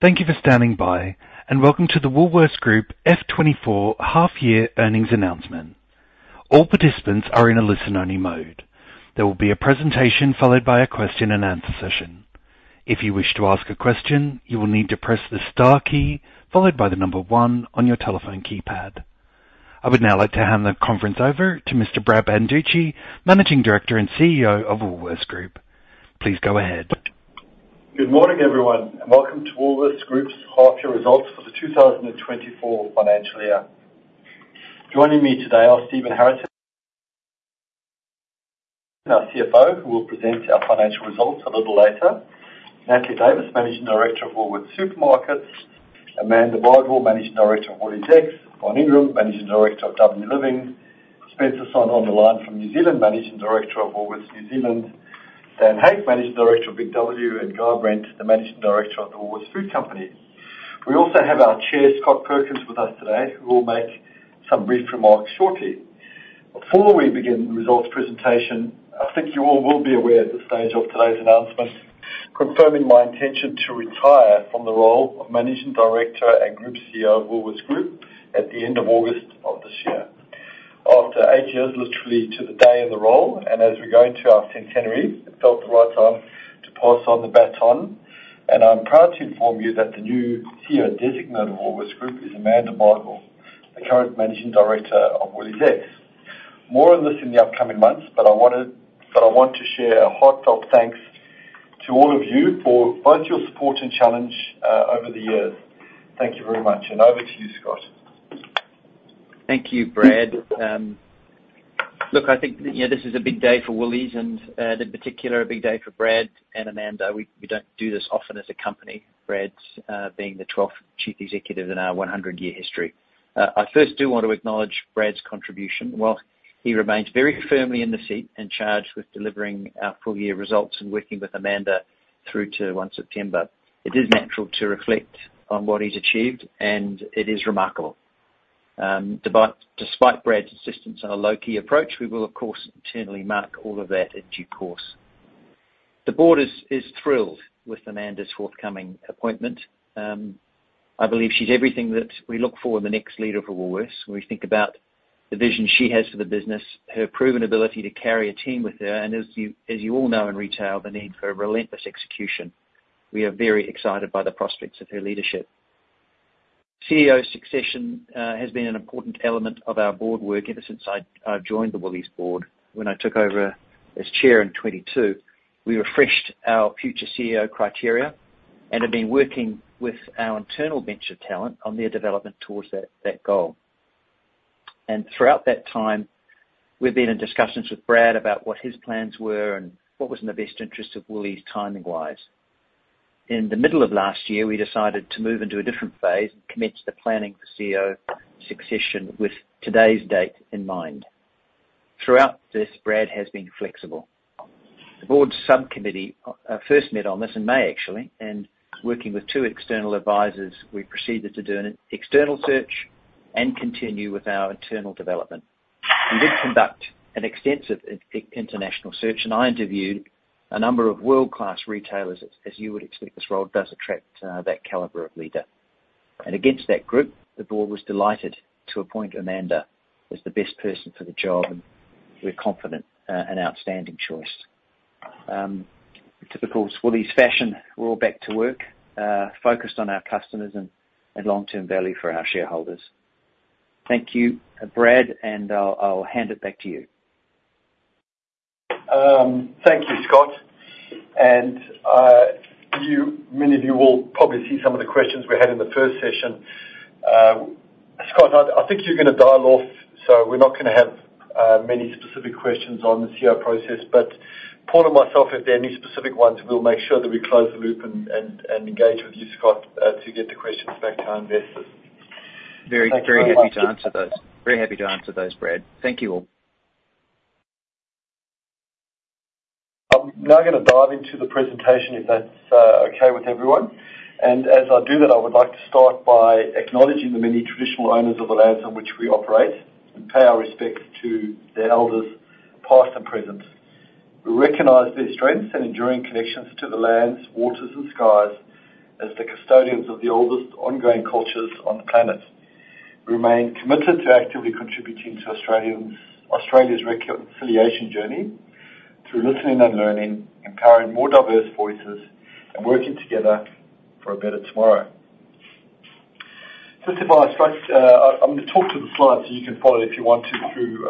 Thank you for standing by, and welcome to the Woolworths Group F24 half-year earnings announcement. All participants are in a listen-only mode. There will be a presentation followed by a question-and-answer session. If you wish to ask a question, you will need to press the star key followed by the number 1 on your telephone keypad. I would now like to hand the conference over to Mr. Brad Banducci, Managing Director and CEO of Woolworths Group. Please go ahead. Good morning, everyone, and welcome to Woolworths Group's half-year results for the 2024 financial year. Joining me today are Stephen Harrison, our CFO, who will present our financial results a little later, Natalie Davis, Managing Director of Woolworths Supermarkets, Amanda Bardwell, Managing Director of WooliesX, Von Ingram, Managing Director of W Living, Spencer Sonn on the line from New Zealand, Managing Director of Woolworths New Zealand, Dan Hake, Managing Director of Big W, and Guy Brent, the Managing Director of the Woolworths Food Company. We also have our Chair, Scott Perkins, with us today, who will make some brief remarks shortly. Before we begin the results presentation, I think you all will be aware at this stage of today's announcement confirming my intention to retire from the role of Managing Director and Group CEO of Woolworths Group at the end of August of this year. After eight years, literally to the day in the role, and as we're going to our centenary, it felt the right time to pass on the baton, and I'm proud to inform you that the new CEO designated to Woolworths Group is Amanda Bardwell, the current Managing Director of WooliesX. More on this in the upcoming months, but I want to share a heartfelt thanks to all of you for both your support and challenge over the years. Thank you very much, and over to you, Scott. Thank you, Brad. Look, I think this is a big day for Woolies, and in particular, a big day for Brad and Amanda. We don't do this often as a company, Brad being the 12th Chief Executive in our 100-year history. I first do want to acknowledge Brad's contribution. Well, he remains very firmly in the seat and charged with delivering our full-year results and working with Amanda through to 1 September. It is natural to reflect on what he's achieved, and it is remarkable. Despite Brad's insistence on a low-key approach, we will, of course, internally mark all of that in due course. The board is thrilled with Amanda's forthcoming appointment. I believe she's everything that we look for in the next leader for Woolworths. When we think about the vision she has for the business, her proven ability to carry a team with her, and as you all know in retail, the need for relentless execution, we are very excited by the prospects of her leadership. CEO succession has been an important element of our board work ever since I've joined the Woolies' board. When I took over as chair in 2022, we refreshed our future CEO criteria and have been working with our internal bench of talent on their development towards that goal. Throughout that time, we've been in discussions with Brad about what his plans were and what was in the best interest of Woolies' timing-wise. In the middle of last year, we decided to move into a different phase and commence the planning for CEO succession with today's date in mind. Throughout this, Brad has been flexible. The board's subcommittee first met on this in May, actually, and working with two external advisors, we proceeded to do an external search and continue with our internal development. We did conduct an extensive international search, and I interviewed a number of world-class retailers, as you would expect. This role does attract that caliber of leader. Against that group, the board was delighted to appoint Amanda as the best person for the job, and we're confident an outstanding choice. Typical Woolies' fashion, we're all back to work, focused on our customers and long-term value for our shareholders. Thank you, Brad, and I'll hand it back to you. Thank you, Scott. Many of you will probably see some of the questions we had in the first session. Scott, I think you're going to dial off, so we're not going to have many specific questions on the CEO process, but Paul and myself, if there are any specific ones, we'll make sure that we close the loop and engage with you, Scott, to get the questions back to our investors. Thank you. Very happy to answer those. Very happy to answer those, Brad. Thank you all. I'm now going to dive into the presentation, if that's okay with everyone. As I do that, I would like to start by acknowledging the many traditional owners of the lands on which we operate and pay our respects to their elders, past and present. We recognize their strengths and enduring connections to the lands, waters, and skies as the custodians of the oldest ongoing cultures on the planet. We remain committed to actively contributing to Australia's reconciliation journey through listening and learning, empowering more diverse voices, and working together for a better tomorrow. I'm going to talk to the slides so you can follow it if you want to through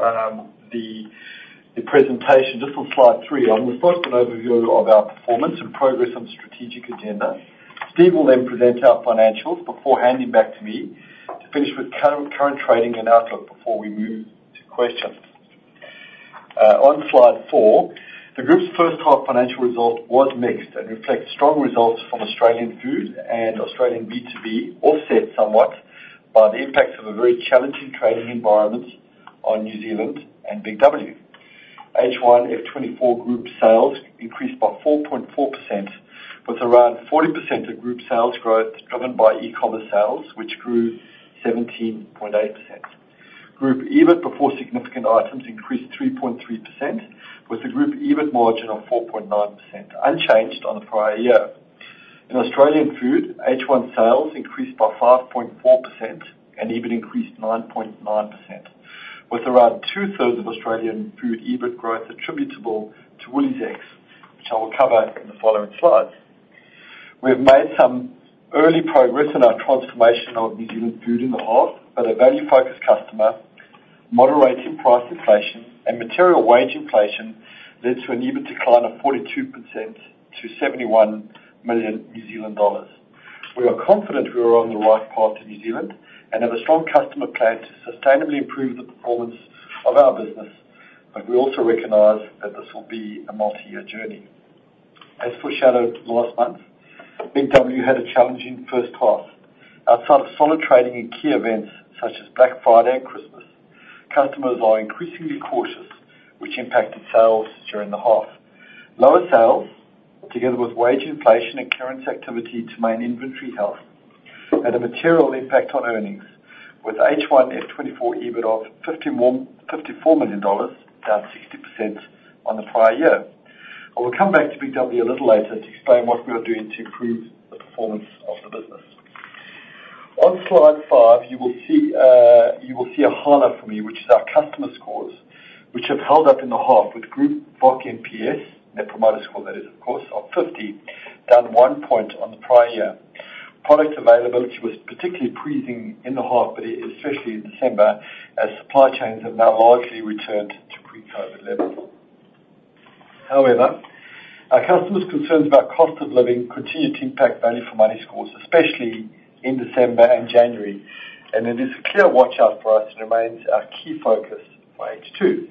the presentation. Just on slide three, I'm going to start with an overview of our performance and progress on the strategic agenda. Steve will then present our financials before handing back to me to finish with current trading and outlook before we move to questions. On slide four, the group's first half financial result was mixed and reflects strong results from Australian food and Australian B2B, offset somewhat by the impacts of a very challenging trading environment on New Zealand and Big W. H1 F24 Group sales increased by 4.4%, with around 40% of group sales growth driven by e-commerce sales, which grew 17.8%. Group EBIT before significant items increased 3.3%, with the group EBIT margin of 4.9%, unchanged on the prior year. In Australian food, H1 sales increased by 5.4%, and EBIT increased 9.9%, with around two-thirds of Australian food EBIT growth attributable to WooliesX, which I will cover in the following slides. We have made some early progress in our transformation of New Zealand food in the half, but a value-focused customer, moderating price inflation, and material wage inflation led to an EBIT decline of 42% to 71 million New Zealand dollars. We are confident we are on the right path to New Zealand and have a strong customer plan to sustainably improve the performance of our business, but we also recognize that this will be a multi-year journey. As foreshadowed last month, Big W had a challenging first half. Outside of solid trading and key events such as Black Friday and Christmas, customers are increasingly cautious, which impacted sales during the half. Lower sales, together with wage inflation and currency activity to maintain inventory health, had a material impact on earnings, with H1 F24 EBIT of 54 million dollars, down 60% on the prior year. I will come back to Big W a little later to explain what we are doing to improve the performance of the business. On slide 5, you will see a highlight from me, which is our customer scores, which have held up in the half with Group VOC NPS, their promoter score that is, of course, of 50, down 1 point on the prior year. Product availability was particularly pleasing in the half, but especially in December, as supply chains have now largely returned to pre-COVID levels. However, our customers' concerns about cost of living continued to impact value-for-money scores, especially in December and January, and it is a clear watch-out for us and remains our key focus for H2.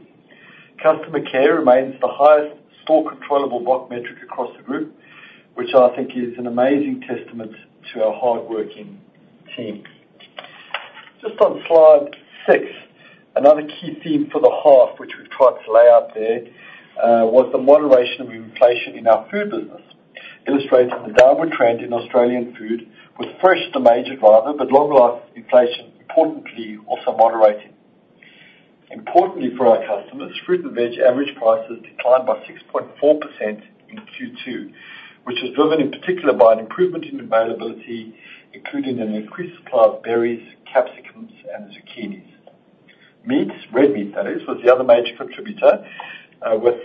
Customer care remains the highest store-controllable VOC metric across the group, which I think is an amazing testament to our hardworking team. Just on slide six, another key theme for the half, which we've tried to lay out there, was the moderation of inflation in our food business, illustrating the downward trend in Australian Food, with fresh demanded rather but long-lasting inflation importantly also moderating. Importantly for our customers, fruit and veg average prices declined by 6.4% in Q2, which was driven in particular by an improvement in availability, including an increased supply of berries, capsicums, and zucchinis. Meats, red meat that is, was the other major contributor, with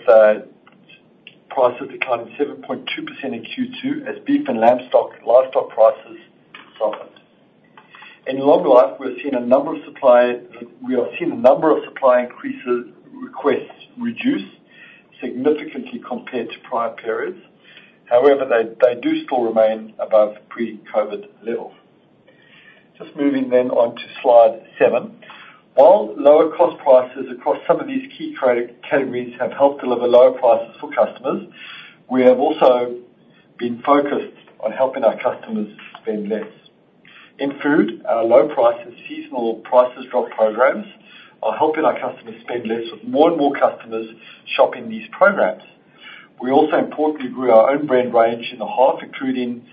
prices declining 7.2% in Q2 as beef and livestock prices softened. In long life, we're seeing a number of supply increase requests reduce significantly compared to prior periods. However, they do still remain above pre-COVID levels. Just moving then on to slide seven. While lower cost prices across some of these key categories have helped deliver lower prices for customers, we have also been focused on helping our customers spend less. In food, our low-prices, seasonal prices drop programs are helping our customers spend less, with more and more customers shopping these programs. We also importantly grew our own brand range in the half, including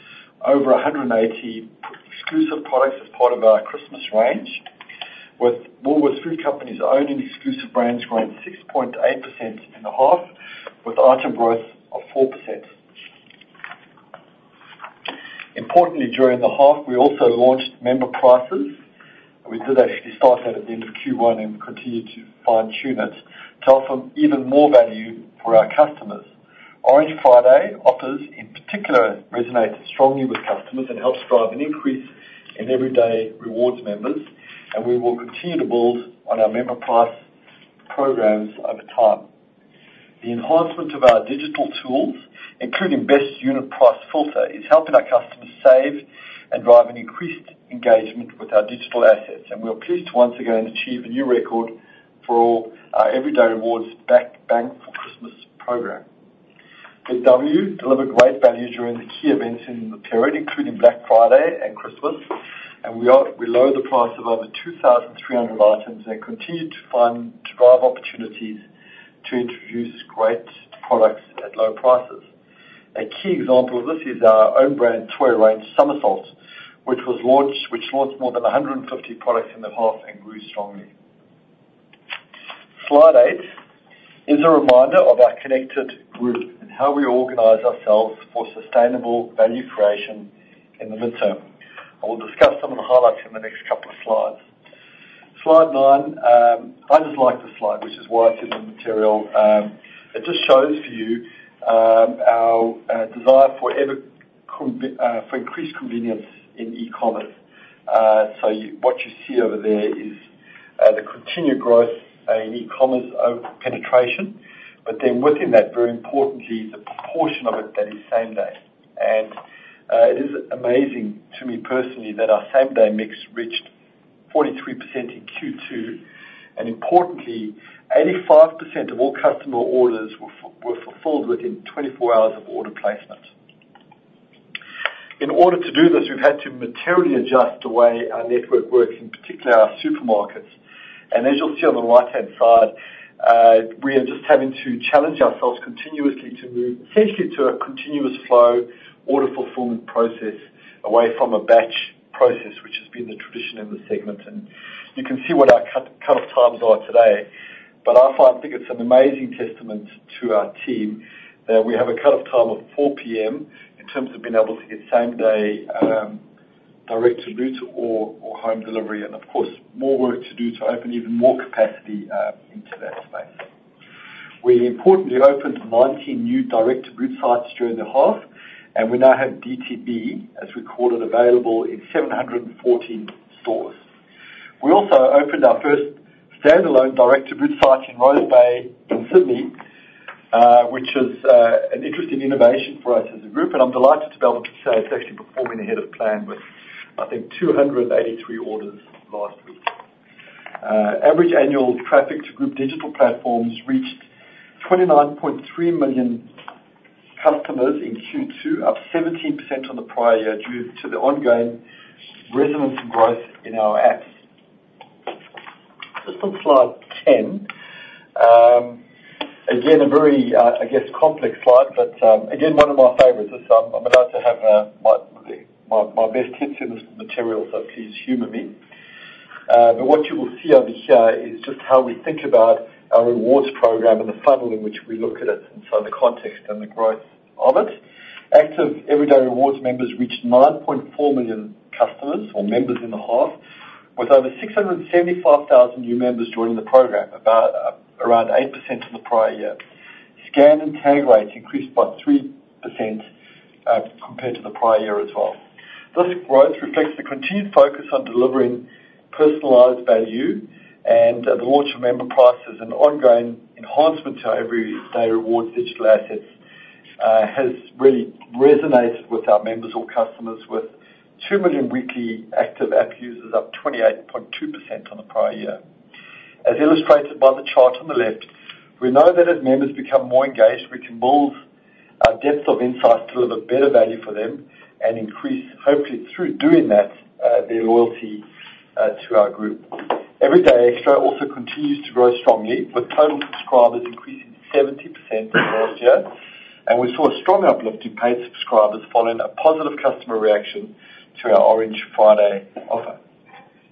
over 180 exclusive products as part of our Christmas range, with Woolworths Food Company's own exclusive brands growing 6.8% in the half, with item growth of 4%. Importantly, during the half, we also launched Member Prices. We did actually start that at the end of Q1 and continue to fine-tune it to offer even more value for our customers. Orange Friday offers in particular resonated strongly with customers and helps drive an increase in Everyday Rewards members, and we will continue to build on our Member Prices programs over time. The enhancement of our digital tools, including best unit price filter, is helping our customers save and drive an increased engagement with our digital assets, and we are pleased to once again achieve a new record for all our Everyday Rewards Bank for Christmas program. Big W delivered great value during the key events in the period, including Black Friday and Christmas, and we lowered the price of over 2,300 items and continued to drive opportunities to introduce great products at low prices. A key example of this is our own brand toy range, Somersault, which launched more than 150 products in the half and grew strongly. Slide eight is a reminder of our connected group and how we organize ourselves for sustainable value creation in the midterm. I will discuss some of the highlights in the next couple of slides. Slide nine, I just like this slide, which is why I said the material. It just shows for you our desire for increased convenience in e-commerce. So what you see over there is the continued growth in e-commerce penetration, but then within that, very importantly, the proportion of it that is same-day. And it is amazing to me personally that our same-day mix reached 43% in Q2, and importantly, 85% of all customer orders were fulfilled within 24 hours of order placement. In order to do this, we've had to materially adjust the way our network works, in particular our supermarkets. And as you'll see on the right-hand side, we are just having to challenge ourselves continuously to move essentially to a continuous flow order fulfillment process away from a batch process, which has been the tradition in the segment. You can see what our cut-off times are today, but I think it's an amazing testament to our team that we have a cut-off time of 4:00 P.M. in terms of being able to get same-day Direct-to-Boot or home delivery and, of course, more work to do to open even more capacity into that space. We importantly opened 19 new Direct-to-Boot sites during the half, and we now have DTB, as we called it, available in 714 stores. We also opened our first standalone Direct-to-Boot site in Rose Bay in Sydney, which is an interesting innovation for us as a group, and I'm delighted to be able to say it's actually performing ahead of plan with, I think, 283 orders last week. Average annual traffic to group digital platforms reached 29.3 million customers in Q2, up 17% on the prior year due to the ongoing resonance and growth in our apps. Just on slide 10, again, a very, I guess, complex slide, but again, one of my favorites. I'm allowed to have my best hits in this material, so please humor me. But what you will see over here is just how we think about our rewards program and the funnel in which we look at it and so the context and the growth of it. Active Everyday Rewards members reached 9.4 million customers or members in the half, with over 675,000 new members joining the program, around 8% in the prior year. Scan and tag rates increased by 3% compared to the prior year as well. This growth reflects the continued focus on delivering personalized value, and the launch of Member Prices and ongoing enhancements to our Everyday Rewards digital assets has really resonated with our members or customers, with 2 million weekly active app users, up 28.2% on the prior year. As illustrated by the chart on the left, we know that as members become more engaged, we can build our depth of insights to deliver better value for them and increase, hopefully through doing that, their loyalty to our group. Everyday Extra also continues to grow strongly, with total subscribers increasing 70% in the last year, and we saw a strong uplift in paid subscribers following a positive customer reaction to our Orange Friday offer.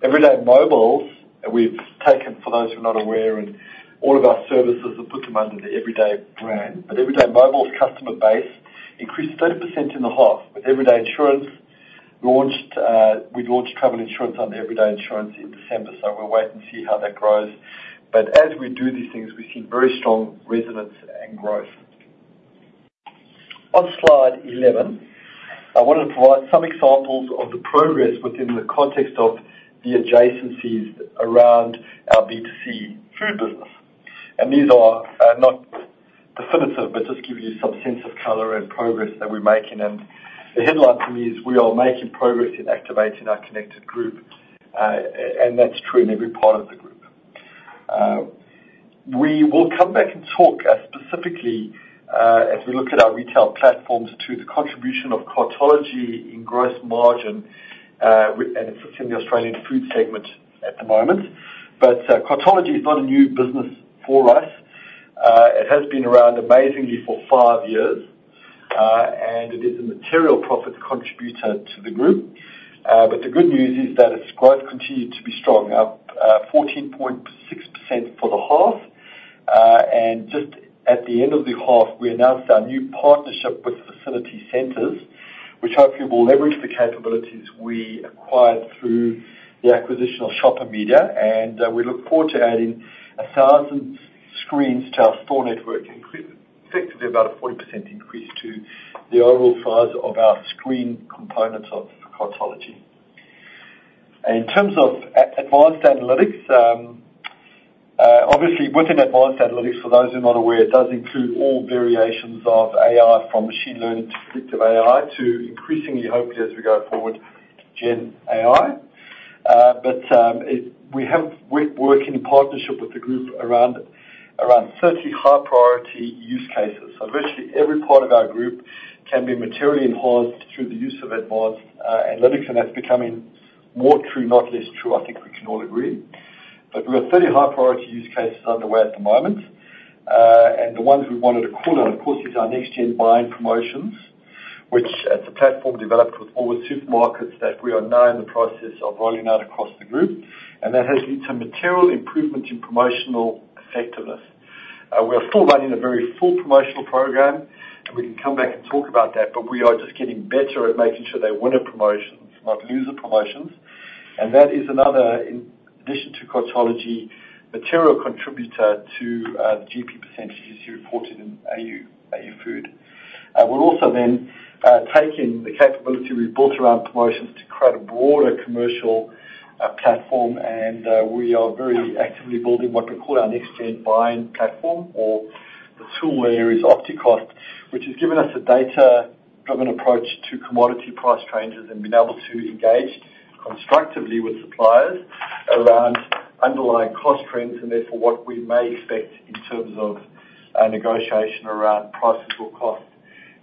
Everyday Mobile, we've taken, for those who are not aware, and all of our services that put them under the Everyday brand, but Everyday Mobile's customer base increased 30% in the half, with Everyday Insurance launched. We launched travel insurance under Everyday Insurance in December, so we'll wait and see how that grows. But as we do these things, we've seen very strong resonance and growth. On slide 11, I wanted to provide some examples of the progress within the context of the adjacencies around our B2C food business. These are not definitive, but just give you some sense of color and progress that we're making. The headline for me is we are making progress in activating our connected group, and that's true in every part of the group. We will come back and talk specifically as we look at our retail platforms to the contribution of Cartology in gross margin, and it's in the Australian food segment at the moment. Cartology is not a new business for us. It has been around amazingly for five years, and it is a material profit contributor to the group. The good news is that its growth continued to be strong, up 14.6% for the half. Just at the end of the half, we announced our new partnership with Vicinity Centres, which hopefully will leverage the capabilities we acquired through the acquisition of Shopper Media. We look forward to adding 1,000 screens to our store network, effectively about a 40% increase to the overall size of our screen components of Cartology. In terms of advanced analytics, obviously, within advanced analytics, for those who are not aware, it does include all variations of AI, from machine learning to predictive AI to increasingly, hopefully as we go forward, Gen AI. But we have worked in partnership with the group around 30 high-priority use cases. So virtually every part of our group can be materially enhanced through the use of advanced analytics, and that's becoming more true, not less true. I think we can all agree. But we have 30 high-priority use cases underway at the moment. The ones we wanted to call out, of course, is our next-gen buy-in promotions, which is a platform developed with all the supermarkets that we are now in the process of rolling out across the group, and that has led to material improvement in promotional effectiveness. We are still running a very full promotional program, and we can come back and talk about that, but we are just getting better at making sure they win the promotions, not lose the promotions. That is another, in addition to Cartology, material contributor to the GP percentages you reported in AU Food. We've also then taken the capability we built around promotions to create a broader commercial platform, and we are very actively building what we call our next-gen buy-in platform or the tool area is Opticost, which has given us a data-driven approach to commodity price changes and been able to engage constructively with suppliers around underlying cost trends and therefore what we may expect in terms of negotiation around prices or costs.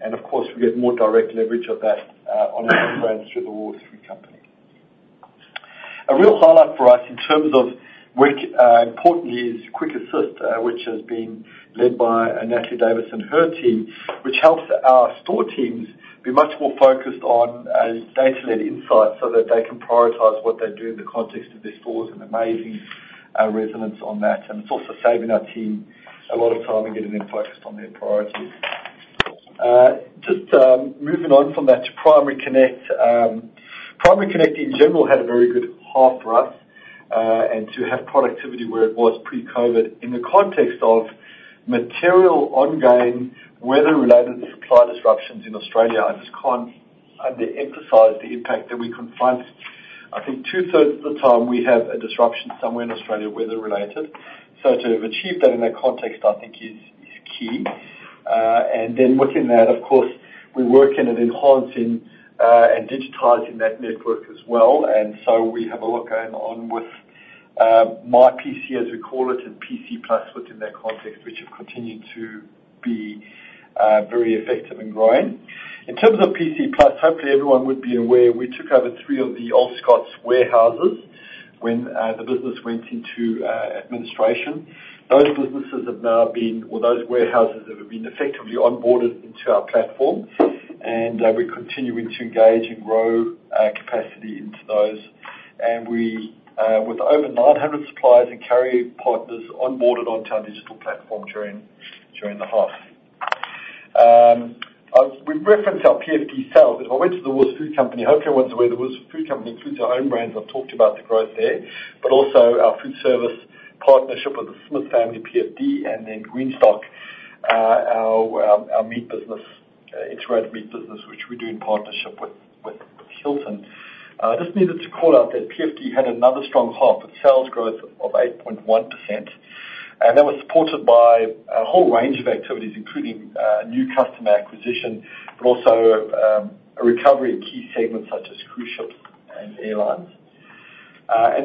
Of course, we get more direct leverage of that on our own brands through the Woolworths Food Company. A real highlight for us in terms of work importantly is Quick Assist, which has been led by Natalie Davis and her team, which helps our store teams be much more focused on data-led insights so that they can prioritize what they do in the context of their stores and amazing resonance on that. And it's also saving our team a lot of time and getting them focused on their priorities. Just moving on from that to Primary Connect. Primary Connect in general had a very good half for us and to have productivity where it was pre-COVID. In the context of material ongoing weather-related supply disruptions in Australia, I just can't underemphasize the impact that we confront. I think two-thirds of the time we have a disruption somewhere in Australia weather-related. So to have achieved that in that context, I think, is key. And then within that, of course, we're working at enhancing and digitizing that network as well. And so we have a lot going on with MyPC, as we call it, and PC Plus within that context, which have continued to be very effective and growing. In terms of PC Plus, hopefully everyone would be aware, we took over three of the old Scotts warehouses when the business went into administration. Those businesses have now been well, those warehouses have been effectively onboarded into our platform, and we're continuing to engage and grow capacity into those. We're with over 900 suppliers and carrier partners onboarded onto our digital platform during the half. We've referenced our PFD sales. If I went to the Woolworths Food Company, hopefully everyone's aware, the Woolworths Food Company includes our own brands. I've talked about the growth there, but also our food service partnership with the Smith Family PFD and then Greenstock, our integrated meat business, which we do in partnership with Hilton. I just needed to call out that PFD had another strong half with sales growth of 8.1%, and that was supported by a whole range of activities, including new customer acquisition, but also a recovery in key segments such as cruise ships and airlines.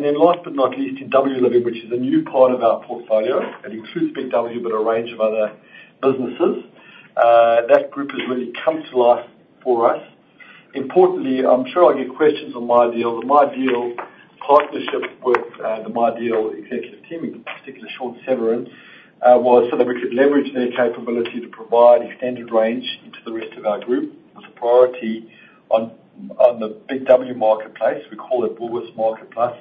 Then last but not least, in W-Living, which is a new part of our portfolio, it includes Big W but a range of other businesses. That group has really come to life for us. Importantly, I'm sure I'll get questions on MyDeal. The MyDeal partnership with the MyDeal executive team, in particular Sean Senvirtne, was so that we could leverage their capability to provide extended range into the rest of our group with a priority on the Big W marketplace. We call it Woolworths Market Plus.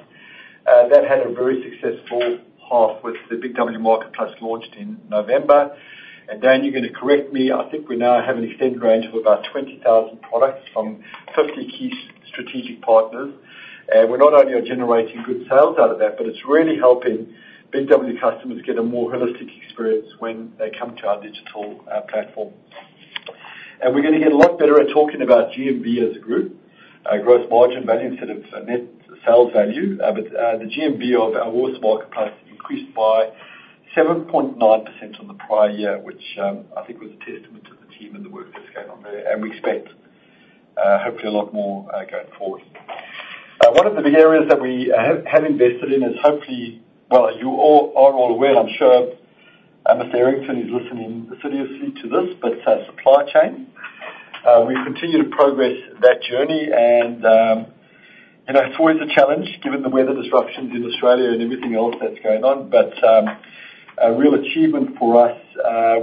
That had a very successful half with the Big W Market Plus launched in November. And Dan, you're going to correct me, I think we now have an extended range of about 20,000 products from 50 key strategic partners. And we're not only generating good sales out of that, but it's really helping Big W customers get a more holistic experience when they come to our digital platform. And we're going to get a lot better at talking about GMV as a group, gross margin value instead of net sales value. But the GMV of our Woolworths Market Plus increased by 7.9% on the prior year, which I think was a testament to the team and the work that's gone on there. And we expect, hopefully, a lot more going forward. One of the big areas that we have invested in is hopefully well, you are all aware, and I'm sure Mr. Errington is listening seriously to this, but supply chain. We've continued to progress that journey, and it's always a challenge given the weather disruptions in Australia and everything else that's going on. But a real achievement for us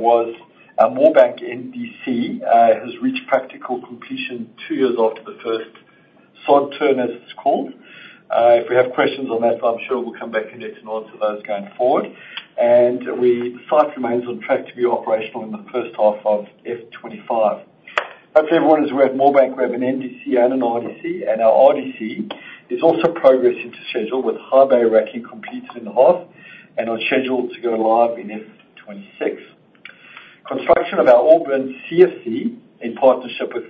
was our Moorebank NDC has reached practical completion 2 years after the first sod turn, as it's called. If we have questions on that, I'm sure we'll come back and answer those going forward. And the site remains on track to be operational in the first half of F25. Hopefully, everyone is aware, at Moorebank, we have an NDC and an RDC, and our RDC is also progressing to schedule with High Bay racking completed in the half and on schedule to go live in F26. Construction of our Auburn CFC in partnership with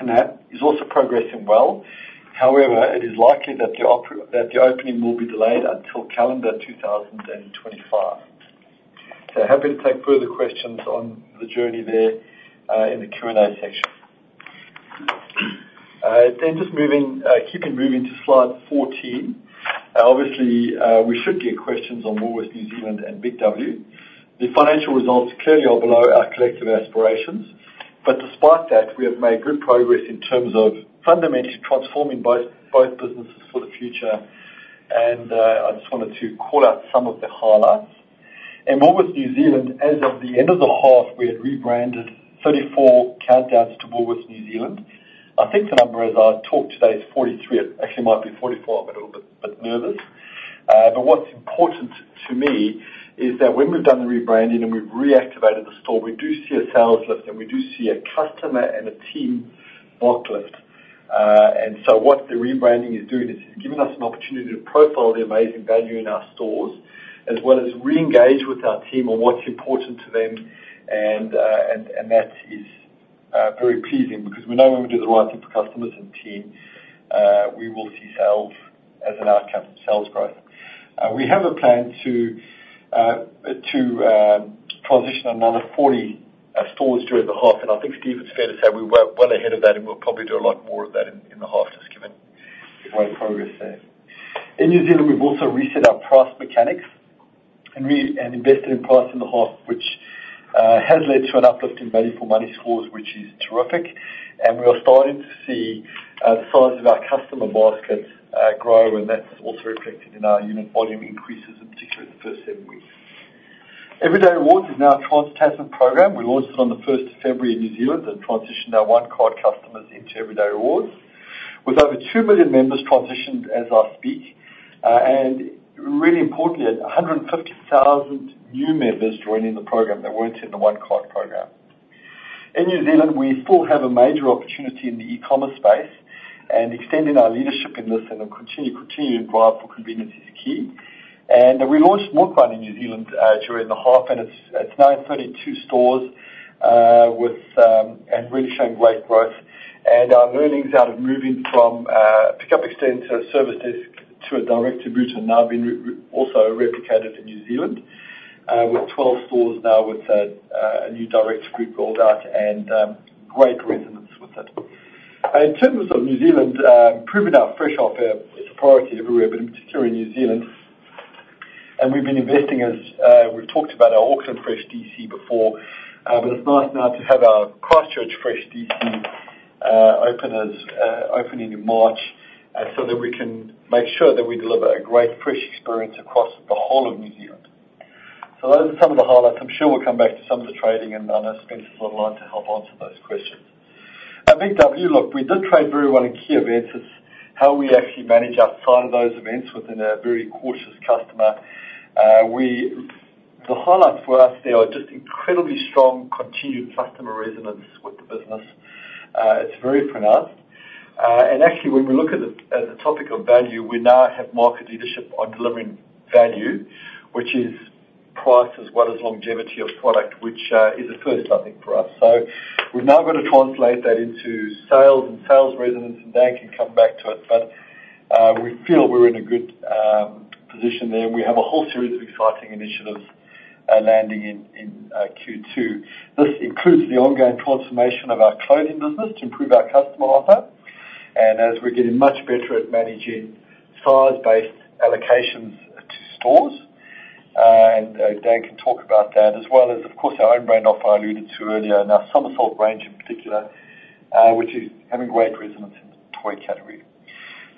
KNAPP is also progressing well. However, it is likely that the opening will be delayed until calendar 2025. So happy to take further questions on the journey there in the Q&A section. Then just keeping moving to slide 14. Obviously, we should get questions on Woolworths New Zealand and Big W. The financial results clearly are below our collective aspirations, but despite that, we have made good progress in terms of fundamentally transforming both businesses for the future. And I just wanted to call out some of the highlights. In Woolworths New Zealand, as of the end of the half, we had rebranded 34 Countdowns to Woolworths New Zealand. I think the number, as I talked today, is 43. It actually might be 44. I'm a little bit nervous. But what's important to me is that when we've done the rebranding and we've reactivated the store, we do see a sales lift, and we do see a customer and a team block lift. What the rebranding is doing is it's given us an opportunity to profile the amazing value in our stores as well as reengage with our team on what's important to them. That is very pleasing because we know when we do the right thing for customers and team, we will see sales as an outcome, sales growth. We have a plan to transition another 40 stores during the half, and I think, Steve, it's fair to say we were well ahead of that, and we'll probably do a lot more of that in the half just given the great progress there. In New Zealand, we've also reset our price mechanics and invested in price in the half, which has led to an uplift in value-for-money scores, which is terrific. We are starting to see the size of our customer basket grow, and that's also reflected in our unit volume increases, in particular in the first seven weeks. Everyday Rewards is now a trans-Tasman program. We launched it on the 1st of February in New Zealand and transitioned our One Card customers into Everyday Rewards, with over 2 million members transitioned as I speak. And really importantly, 150,000 new members joining the program that weren't in the One Card program. In New Zealand, we still have a major opportunity in the e-commerce space, and extending our leadership in this and continuing to drive for convenience is key. We launched MILKRUN in New Zealand during the half, and it's now in 32 stores and really showing great growth. Our learnings out of moving from pickup extended to a service desk to a Direct-to-Boot have now been also replicated in New Zealand with 12 stores now with a new Direct-to-Boot rolled out and great resonance with it. In terms of New Zealand, proving our fresh offer is a priority everywhere, but in particular in New Zealand. We've been investing as we've talked about our Auckland Fresh DC before, but it's nice now to have our Christchurch Fresh DC opening in March so that we can make sure that we deliver a great fresh experience across the whole of New Zealand. Those are some of the highlights. I'm sure we'll come back to some of the trading, and I know Spencer's on the line to help answer those questions. At Big W, look, we did trade very well in key events. It's how we actually manage outside of those events within a very cautious customer. The highlights for us there are just incredibly strong continued customer resonance with the business. It's very pronounced. And actually, when we look at the topic of value, we now have market leadership on delivering value, which is price as well as longevity of product, which is a first, I think, for us. So we've now got to translate that into sales and sales resonance, and Dan can come back to it. But we feel we're in a good position there, and we have a whole series of exciting initiatives landing in Q2. This includes the ongoing transformation of our clothing business to improve our customer offer. And as we're getting much better at managing size-based allocations to stores - and Dan can talk about that - as well as, of course, our own brand offer I alluded to earlier, now SummerSalt range in particular, which is having great resonance in the toy category.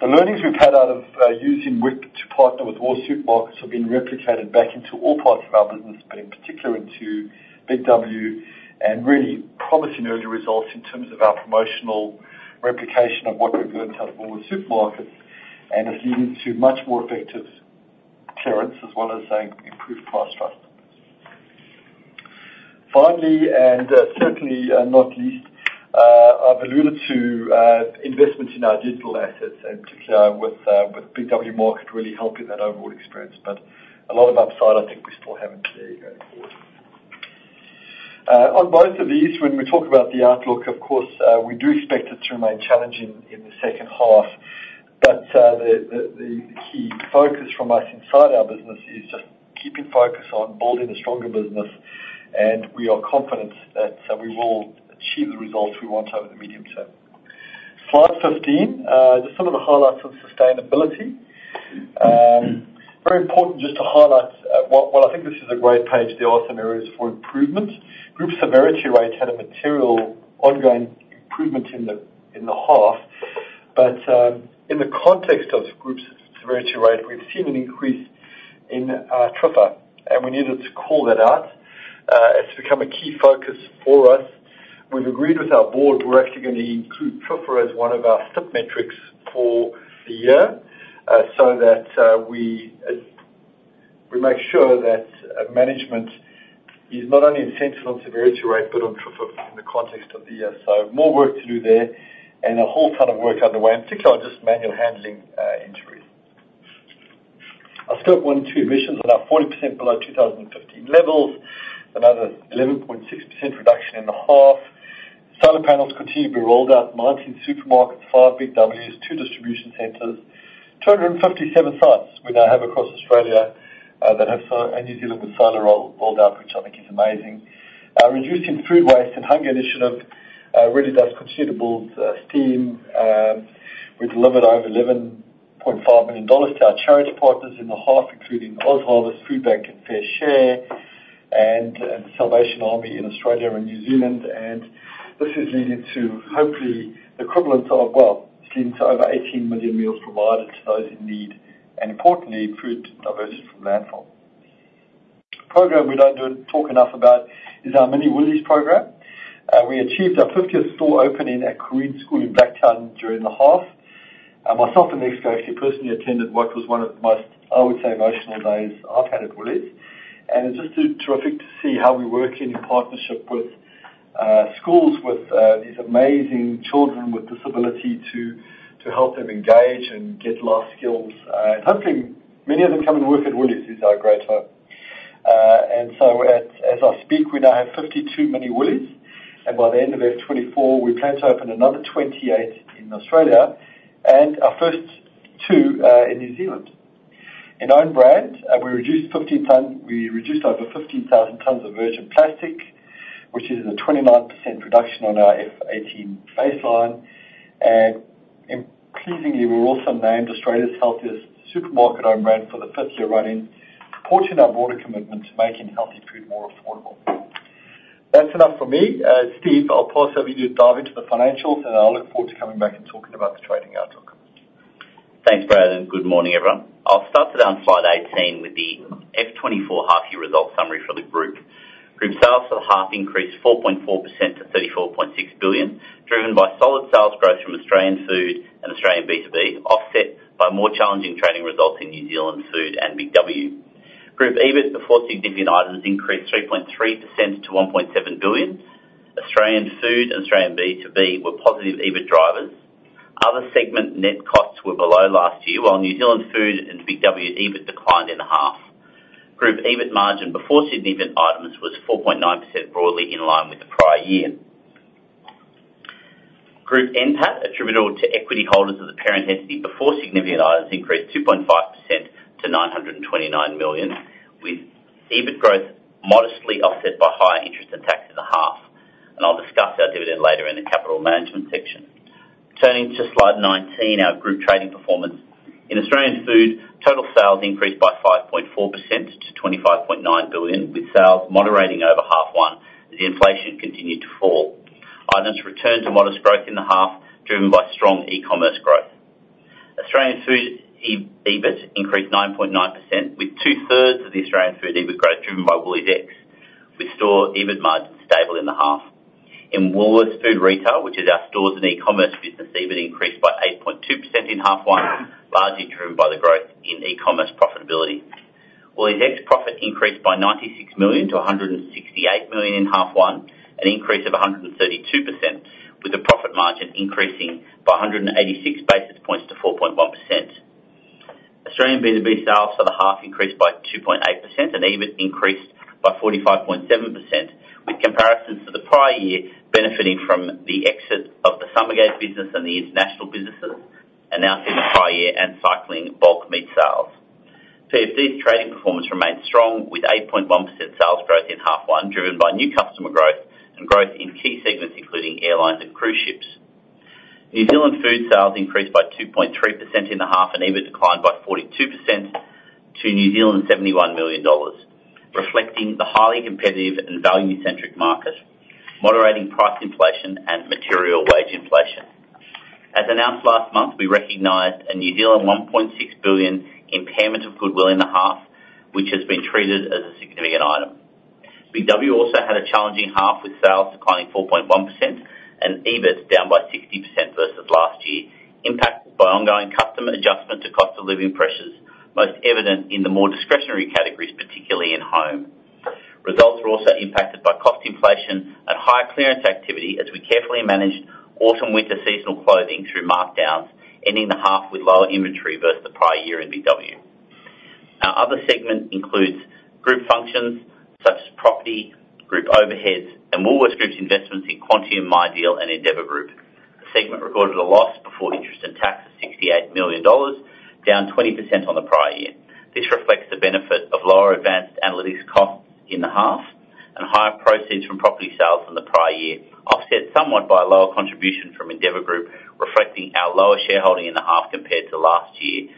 The learnings we've had out of using WIP to partner with Woolworths Food Company have been replicated back into all parts of our business, but in particular into Big W, and really promising early results in terms of our promotional replication of what we've learned out of Woolworths Food Company and us leading to much more effective clearance as well as improved price trust. Finally, and certainly not least, I've alluded to investments in our digital assets, and particularly with Big W Market really helping that overall experience. But a lot of upside, I think, we still have in there going forward. On both of these, when we talk about the outlook, of course, we do expect it to remain challenging in the second half. But the key focus from us inside our business is just keeping focus on building a stronger business, and we are confident that we will achieve the results we want over the medium term. Slide 15, just some of the highlights on sustainability. Very important just to highlight well, I think this is a great page. There are some areas for improvement. Group severity rate had a material ongoing improvement in the half. But in the context of group severity rate, we've seen an increase in TRFA, and we needed to call that out. It's become a key focus for us. We've agreed with our board we're actually going to include TRFA as one of our STIP metrics for the year so that we make sure that management is not only incentivized on severity rate but on TRFA in the context of the year. So more work to do there and a whole ton of work underway, in particular on just manual handling injuries. Our scope one and two emissions are now 40% below 2015 levels, another 11.6% reduction in the half. Solar panels continue to be rolled out, 19 supermarkets, 5 Big W's, 2 distribution centres, 257 sites we now have across Australia and New Zealand with solar rolled out, which I think is amazing. Our reducing food waste and hunger initiative really does continue to build steam. We've delivered over 11.5 million dollars to our charity partners in the half, including OzHarvest, Food Bank, and Fairshare and Salvation Army in Australia and New Zealand. This is leading to, hopefully, the equivalent of well, it's leading to over 18 million meals provided to those in need and, importantly, food diversion from landfill. The program we don't talk enough about is our Mini Woolies program. We achieved our 50th store opening at Coreen School in Blacktown during the half. Myself and the ex-girlfriend personally attended what was one of the most, I would say, emotional days I've had at Woolies. And it's just terrific to see how we work in partnership with schools with these amazing children with disability to help them engage and get life skills. And hopefully, many of them come and work at Woolies. These are a great time. As I speak, we now have 52 Mini Woolies. By the end of F24, we plan to open another 28 in Australia and our first two in New Zealand. In own brand, we reduced over 15,000 tonnes of virgin plastic, which is a 29% reduction on our F18 baseline. Pleasingly, we're also named Australia's healthiest supermarket own brand for the fifth year running, supporting our broader commitment to making healthy food more affordable. That's enough from me. Steve, I'll pass over to you to dive into the financials, and I'll look forward to coming back and talking about the trading outlook. Thanks, Brad, and good morning, everyone. I'll start today on slide 18 with the F24 half-year results summary for the group. Group sales for the half increased 4.4% to 34.6 billion, driven by solid sales growth from Australian food and Australian B2B, offset by more challenging trading results in New Zealand food and Big W. Group EBIT before significant items increased 3.3% to 1.7 billion Australian dollars. Australian food and Australian B2B were positive EBIT drivers. Other segment net costs were below last year, while New Zealand food and Big W EBIT declined in half. Group EBIT margin before significant items was 4.9%, broadly in line with the prior year. Group NPAT, attributable to equity holders of the parent entity before significant items, increased 2.5% to 929 million, with EBIT growth modestly offset by higher interest and tax in the half. And I'll discuss our dividend later in the capital management section. Turning to slide 19, our group trading performance. In Australian food, total sales increased by 5.4% to 25.9 billion, with sales moderating over half one as inflation continued to fall. Items returned to modest growth in the half, driven by strong e-commerce growth. Australian food EBIT increased 9.9%, with two-thirds of the Australian food EBIT growth driven by WooliesX, with store EBIT margin stable in the half. In Woolworths Food Retail, which is our stores and e-commerce business, EBIT increased by 8.2% in half one, largely driven by the growth in e-commerce profitability. WooliesX profit increased by 96 million to 168 million in half one, an increase of 132%, with the profit margin increasing by 186 basis points to 4.1%. Australian B2B sales for the half increased by 2.8%, and EBIT increased by 45.7%, with comparisons to the prior year benefiting from the exit of the Summergate business and the international businesses and now seeing the prior year and cycling bulk meat sales. PFD's trading performance remained strong, with 8.1% sales growth in half one, driven by new customer growth and growth in key segments, including airlines and cruise ships. New Zealand food sales increased by 2.3% in the half, and EBIT declined by 42% to New Zealand's 71 million dollars, reflecting the highly competitive and value-centric market, moderating price inflation, and material wage inflation. As announced last month, we recognized a 1.6 billion New Zealand dollars impairment of goodwill in the half, which has been treated as a significant item. Big W also had a challenging half, with sales declining 4.1% and EBIT down by 60% versus last year, impacted by ongoing customer adjustment to cost of living pressures, most evident in the more discretionary categories, particularly in home. Results were also impacted by cost inflation and higher clearance activity as we carefully managed autumn-winter seasonal clothing through markdowns, ending the half with lower inventory versus the prior year in Big W. Our other segment includes group functions such as property, group overheads, and Woolworths Group's investments in Quantium, MyDeal, and Endeavour Group. The segment recorded a loss before interest and tax of 68 million dollars, down 20% on the prior year. This reflects the benefit of lower advanced analytics costs in the half and higher proceeds from property sales than the prior year, offset somewhat by a lower contribution from Endeavour Group, reflecting our lower shareholding in the half compared to last year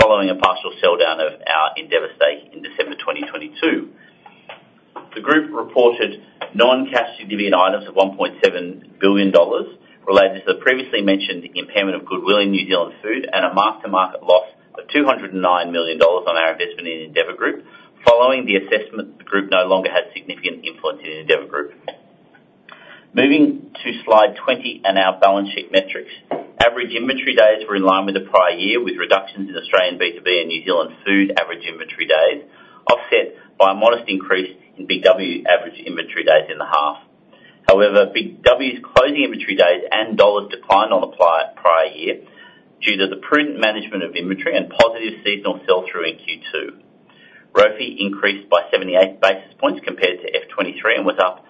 following a partial sell-down of our Endeavour stake in December 2022. The group reported non-cash significant items of 1.7 billion dollars related to the previously mentioned impairment of goodwill in New Zealand food and a mark-to-market loss of 209 million dollars on our investment in Endeavour Group following the assessment the group no longer had significant influence in Endeavour Group. Moving to slide 20 and our balance sheet metrics. Average inventory days were in line with the prior year, with reductions in Australian B2B and New Zealand food average inventory days, offset by a modest increase in Big W average inventory days in the half. However, Big W's closing inventory days and dollars declined on the prior year due to the prudent management of inventory and positive seasonal sell-through in Q2. ROFE increased by 78 basis points compared to F23 and was up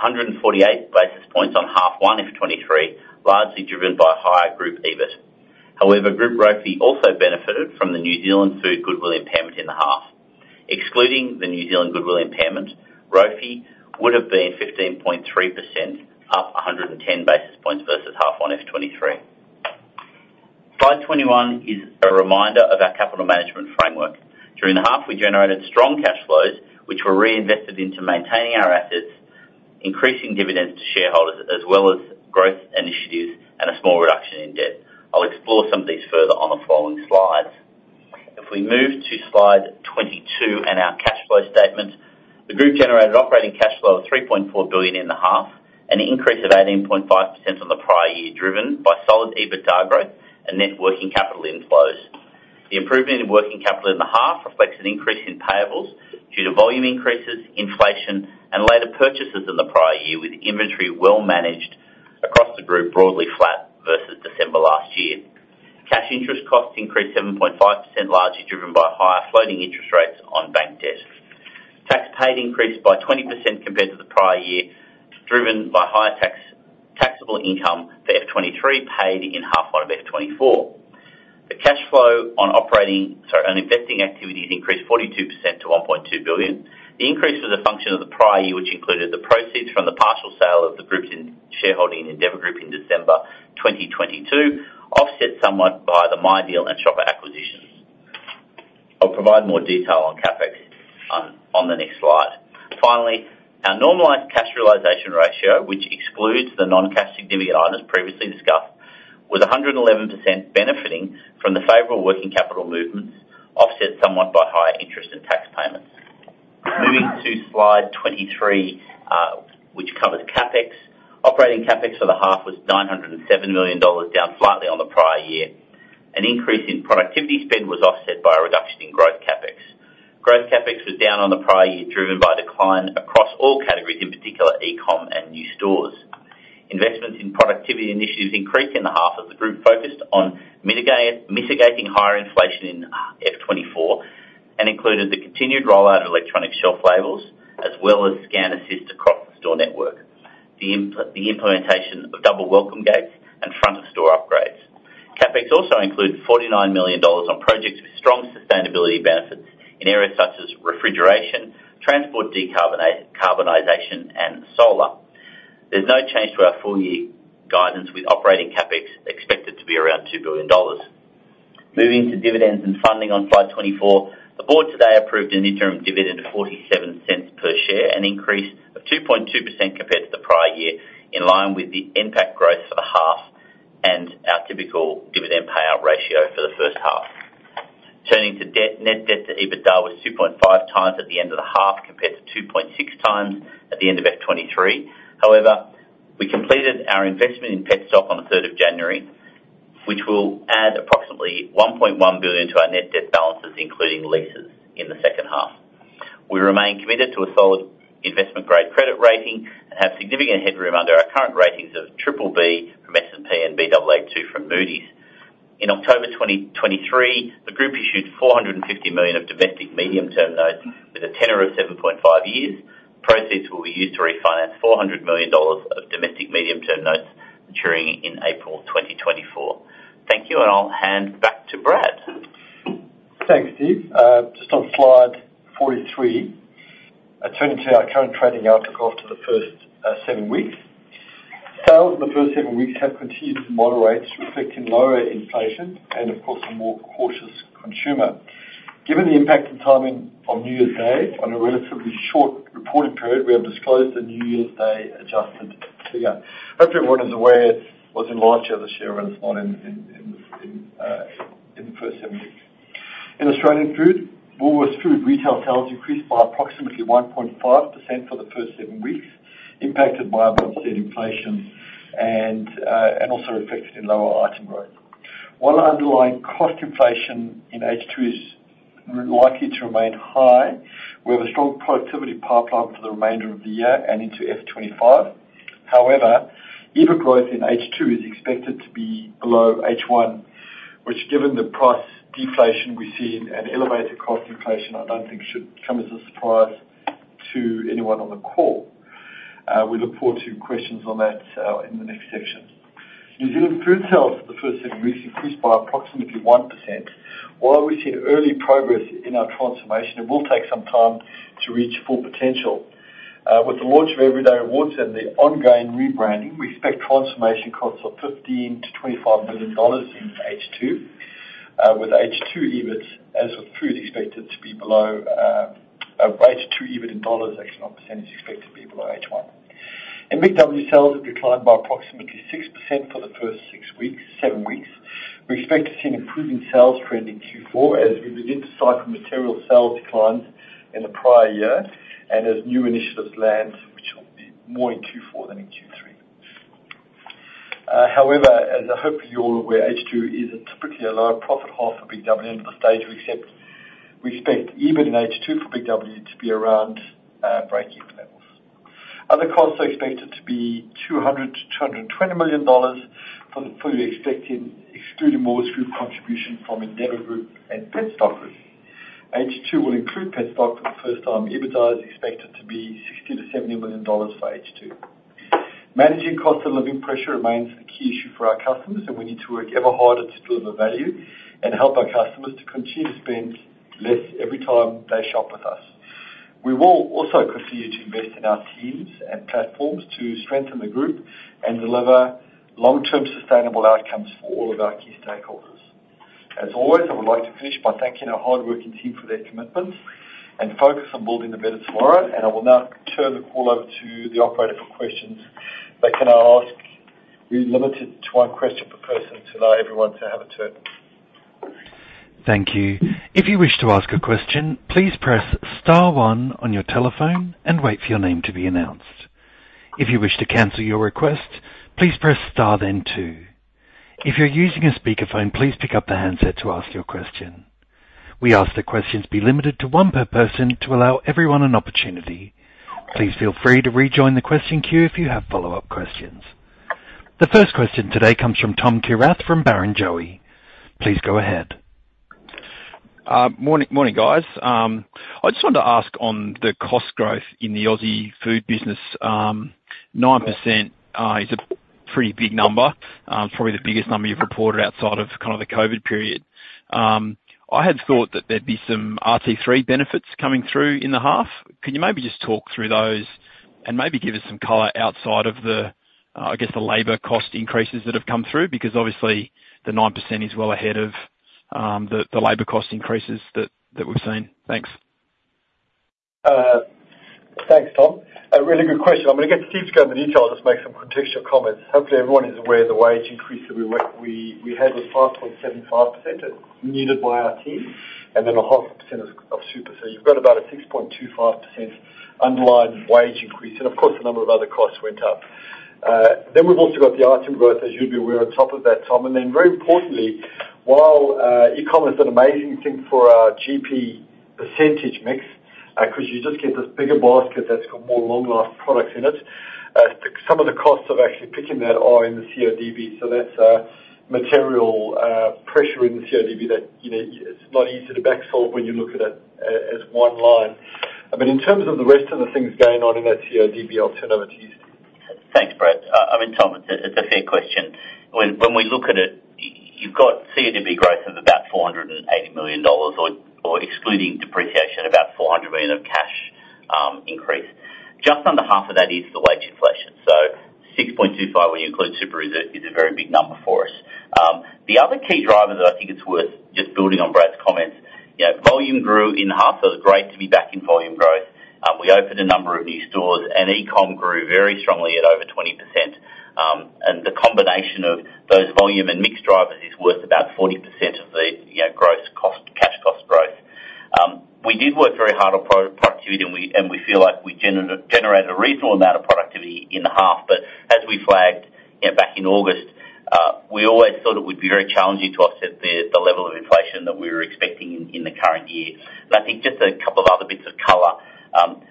148 basis points on half one F23, largely driven by higher group EBIT. However, group ROFE also benefited from the New Zealand food goodwill impairment in the half. Excluding the New Zealand goodwill impairment, ROFE would have been 15.3%, up 110 basis points versus half one F23. Slide 21 is a reminder of our capital management framework. During the half, we generated strong cash flows, which were reinvested into maintaining our assets, increasing dividends to shareholders, as well as growth initiatives and a small reduction in debt. I'll explore some of these further on the following slides. If we move to slide 22 and our cash flow statement, the group generated operating cash flow of 3.4 billion in the half, an increase of 18.5% on the prior year, driven by solid EBITDA growth and net working capital inflows. The improvement in working capital in the half reflects an increase in payables due to volume increases, inflation, and later purchases in the prior year, with inventory well managed across the group, broadly flat versus December last year. Cash interest costs increased 7.5%, largely driven by higher floating interest rates on bank debt. Tax paid increased by 20% compared to the prior year, driven by higher taxable income for F23 paid in half one of F24. The cash flow on investing activities increased 42% to 1.2 billion. The increase was a function of the prior year, which included the proceeds from the partial sale of the group's shareholding in Endeavour Group in December 2022, offset somewhat by the MyDeal and Shopper acquisitions. I'll provide more detail on CapEx on the next slide. Finally, our normalised cash realisation ratio, which excludes the non-cash significant items previously discussed, was 111% benefiting from the favorable working capital movements, offset somewhat by higher interest and tax payments. Moving to slide 23, which covers CapEx. Operating CapEx for the half was 907 million dollars, down slightly on the prior year. An increase in productivity spend was offset by a reduction in growth CapEx. Growth CapEx was down on the prior year, driven by decline across all categories, in particular e-com and new stores. Investments in productivity initiatives increased in the half as the group focused on mitigating higher inflation in FY24 and included the continued rollout of electronic shelf labels as well as Scan Assist across the store network, the implementation of double welcome gates and front-of-store upgrades. CapEx also included AUD 49 million on projects with strong sustainability benefits in areas such as refrigeration, transport decarbonization, and solar. There's no change to our full-year guidance, with operating CapEx expected to be around 2 billion dollars. Moving to dividends and funding on slide 24, the board today approved an interim dividend of 47 cents per share, an increase of 2.2% compared to the prior year, in line with the NPAT growth for the half and our typical dividend payout ratio for the first half. Turning to debt, net debt to EBITDA was 2.5 times at the end of the half compared to 2.6 times at the end of F23. However, we completed our investment in Petstock on the 3rd of January, which will add approximately AUD 1.1 billion to our net debt balances, including leases, in the second half. We remain committed to a solid investment-grade credit rating and have significant headroom under our current ratings of BBB from S&P and Baa2 from Moody's. In October 2023, the group issued 450 million of domestic medium-term notes with a tenure of 7.5 years. Proceeds will be used to refinance 400 million dollars of domestic medium-term notes maturing in April 2024. Thank you, and I'll hand back to Brad. Thanks, Steve. Just on slide 43, turning to our current trading outlook after the first seven weeks. Sales in the first 7 weeks have continued to moderate, reflecting lower inflation and, of course, a more cautious consumer. Given the impact and timing of New Year's Day on a relatively short reporting period, we have disclosed a New Year's Day adjusted figure. Hopefully, everyone is aware. Was in last year this year when it's not in the first 7 weeks. In Australian food, Woolworths Food Retail sales increased by approximately 1.5% for the first 7 weeks, impacted by above-stated inflation and also reflected in lower item growth. While underlying cost inflation in H2 is likely to remain high, we have a strong productivity pipeline for the remainder of the year and into F25. However, EBIT growth in H2 is expected to be below H1, which, given the price deflation we see and elevated cost inflation, I don't think should come as a surprise to anyone on the call. We look forward to questions on that in the next section. New Zealand food sales for the first seven weeks increased by approximately 1%. While we've seen early progress in our transformation, it will take some time to reach full potential. With the launch of Everyday Rewards and the ongoing rebranding, we expect transformation costs of 15 million-25 million dollars in H2, with H2 EBIT, as with food, expected to be below a rate to EBIT in dollars. Actually, not percentage expected to be below H1. In Big W, sales have declined by approximately 6% for the first seven weeks. We expect to see an improving sales trend in Q4 as we begin to cycle material sales declines in the prior year and as new initiatives land, which will be more in Q4 than in Q3. However, as I hope you're all aware, H2 is typically a lower profit half for Big W end of the stage, except we expect EBIT in H2 for Big W to be around break-even levels. Other costs are expected to be 200 million-220 million dollars for the fully expected, excluding Woolworths Group contribution from Endeavour Group and Petstock. H2 will include Petstock for the first time. EBITDA is expected to be 60 million-70 million dollars for H2. Managing cost of living pressure remains a key issue for our customers, and we need to work ever harder to deliver value and help our customers to continue to spend less every time they shop with us. We will also continue to invest in our teams and platforms to strengthen the group and deliver long-term sustainable outcomes for all of our key stakeholders. As always, I would like to finish by thanking our hardworking team for their commitment and focus on building the better tomorrow. I will now turn the call over to the operator for questions they can ask. We're limited to one question per person to allow everyone to have a turn. Thank you. If you wish to ask a question, please press star one on your telephone and wait for your name to be announced. If you wish to cancel your request, please press star then two. If you're using a speakerphone, please pick up the handset to ask your question. We ask that questions be limited to one per person to allow everyone an opportunity. Please feel free to rejoin the question queue if you have follow-up questions. The first question today comes from Tom Kierath from Barrenjoey. Please go ahead. Morning, guys. I just wanted to ask on the cost growth in the Aussie food business. 9% is a pretty big number. It's probably the biggest number you've reported outside of kind of the COVID period. I had thought that there'd be some RT3 benefits coming through in the half. Can you maybe just talk through those and maybe give us some color outside of, I guess, the labor cost increases that have come through? Because obviously, the 9% is well ahead of the labor cost increases that we've seen. Thanks. Thanks, Tom. A really good question. I'm going to get Steve to go into detail. I'll just make some contextual comments. Hopefully, everyone is aware of the wage increase that we had was 5.75%, as needed by our team, and then 0.5% of super. So you've got about a 6.25% underlying wage increase. And of course, a number of other costs went up. Then we've also got the item growth, as you'd be aware, on top of that, Tom. And then very importantly, while e-commerce is an amazing thing for our GP percentage mix because you just get this bigger basket that's got more long-last products in it, some of the costs of actually picking that are in the CODB. So that's material pressure in the CODB that it's not easy to backsolve when you look at it as one line. But in terms of the rest of the things going on in that CODB, I'll turn over to you, Steve. Thanks, Brad. I mean, Tom, it's a fair question. When we look at it, you've got CODB growth of about 480 million dollars or, excluding depreciation, about 400 million of cash increase. Just under half of that is the wage inflation. So 6.25, when you include super, is a very big number for us. The other key driver that I think it's worth just building on Brad's comments, volume grew in half. So it was great to be back in volume growth. We opened a number of new stores, and e-com grew very strongly at over 20%. And the combination of those volume and mix drivers is worth about 40% of the gross cash cost growth. We did work very hard on productivity, and we feel like we generated a reasonable amount of productivity in the half. But as we flagged back in August, we always thought it would be very challenging to offset the level of inflation that we were expecting in the current year. And I think just a couple of other bits of color.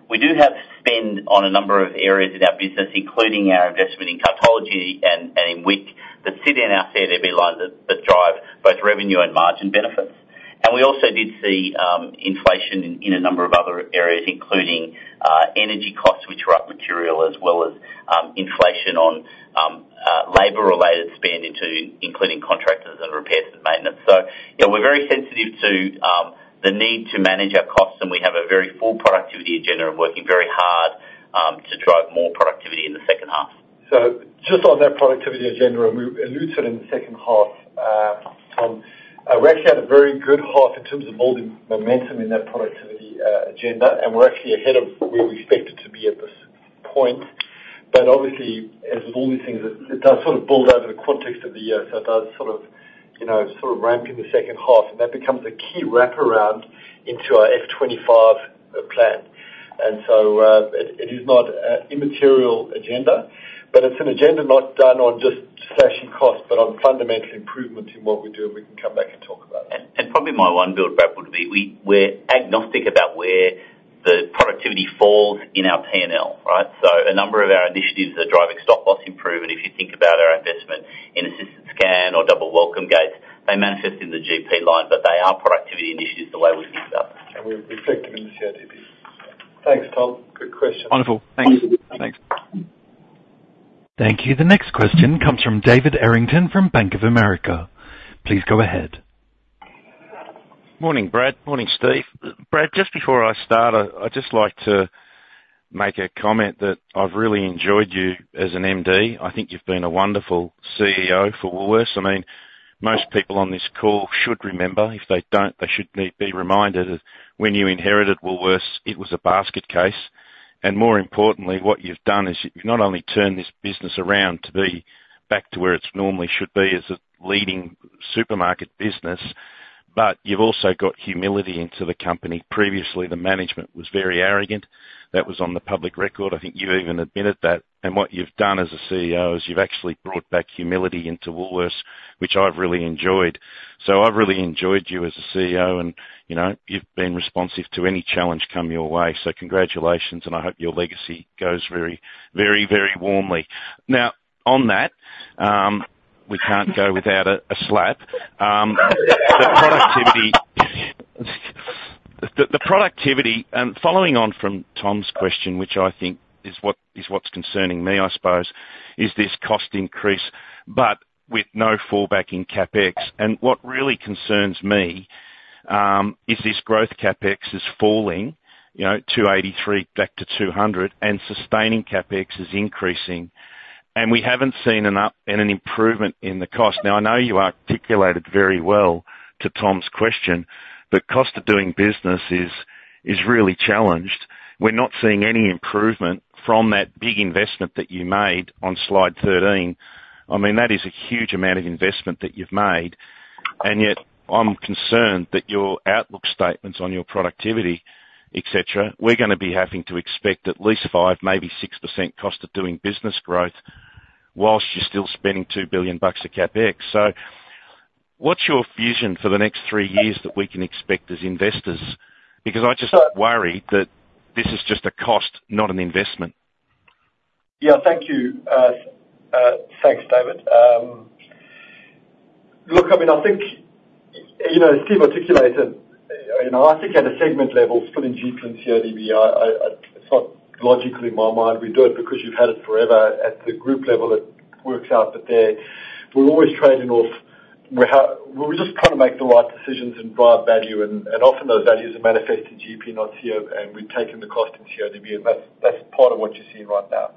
We do have spend on a number of areas in our business, including our investment in Cartology and in WIC, that sit in our CODB lines that drive both revenue and margin benefits. We also did see inflation in a number of other areas, including energy costs, which were up materially, as well as inflation on labor-related spend, including contractors and repairs and maintenance. We're very sensitive to the need to manage our costs, and we have a very full productivity agenda and working very hard to drive more productivity in the second half. Just on that productivity agenda, and we alluded to it in the second half, Tom, we're actually at a very good half in terms of building momentum in that productivity agenda. We're actually ahead of where we expected to be at this point. But obviously, as with all these things, it does sort of build over the context of the year. So it does sort of ramp in the second half. And that becomes a key wraparound into our F25 plan. And so it is not an immaterial agenda, but it's an agenda not done on just slashing costs, but on fundamental improvement in what we do. And we can come back and talk about it. And probably my one build-back would be we're agnostic about where the productivity falls in our P&L, right? So a number of our initiatives are driving stock loss improvement. If you think about our investment in assisted scan or double welcome gates, they manifest in the GP line, but they are productivity initiatives the way we think about them. And we're reflective in the CODB. Thanks, Tom. Good question. Wonderful. Thanks. Thanks. Thank you. The next question comes from David Errington from BofA Securities. Please go ahead. Morning, Brad. Morning, Steve. Brad, just before I start, I'd just like to make a comment that I've really enjoyed you as an MD. I think you've been a wonderful CEO for Woolworths. I mean, most people on this call should remember. If they don't, they should be reminded that when you inherited Woolworths, it was a basket case. And more importantly, what you've done is you've not only turned this business around to be back to where it normally should be as a leading supermarket business, but you've also got humility into the company. Previously, the management was very arrogant. That was on the public record. I think you've even admitted that. What you've done as a CEO is you've actually brought back humility into Woolworths, which I've really enjoyed. So I've really enjoyed you as a CEO, and you've been responsive to any challenge come your way. So congratulations, and I hope your legacy goes very, very, very warmly. Now, on that, we can't go without a clap. The productivity and following on from Tom's question, which I think is what's concerning me, I suppose, is this cost increase but with no fallback in CapEx. What really concerns me is this growth CapEx is falling, 283 back to 200, and sustaining CapEx is increasing. We haven't seen an improvement in the cost. Now, I know you articulated very well to Tom's question, but cost of doing business is really challenged. We're not seeing any improvement from that big investment that you made on slide 13. I mean, that is a huge amount of investment that you've made. And yet, I'm concerned that your outlook statements on your productivity, etc., we're going to be having to expect at least 5%, maybe 6% cost of doing business growth while you're still spending 2 billion bucks of CAPEX. So what's your vision for the next three years that we can expect as investors? Because I just worry that this is just a cost, not an investment. Yeah, thank you. Thanks, David. Look, I mean, I think Steve articulated. I think at a segment level, splitting GP and CODB, it's not logically in my mind. We do it because you've had it forever. At the group level, it works out, but we're always trading off. We're just trying to make the right decisions and drive value. And often, those values are manifest in GP, not CODB, and we've taken the cost in CODB. That's part of what you're seeing right now.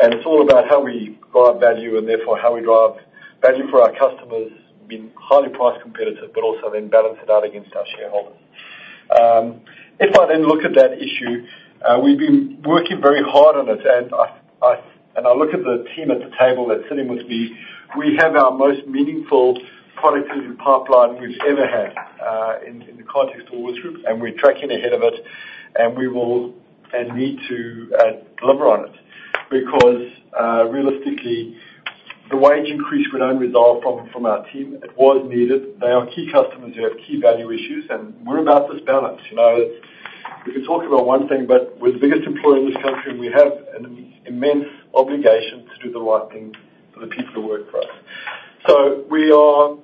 It's all about how we drive value and therefore how we drive value for our customers, being highly price competitive but also then balancing out against our shareholders. If I then look at that issue, we've been working very hard on it. I look at the team at the table that's sitting with me. We have our most meaningful productivity pipeline we've ever had in the context of Woolworths Group, and we're tracking ahead of it and need to deliver on it. Because realistically, the wage increase would only result from our team. It was needed. They are key customers who have key value issues, and we're about this balance. We can talk about one thing, but we're the biggest employer in this country, and we have an immense obligation to do the right thing for the people who work for us. So we are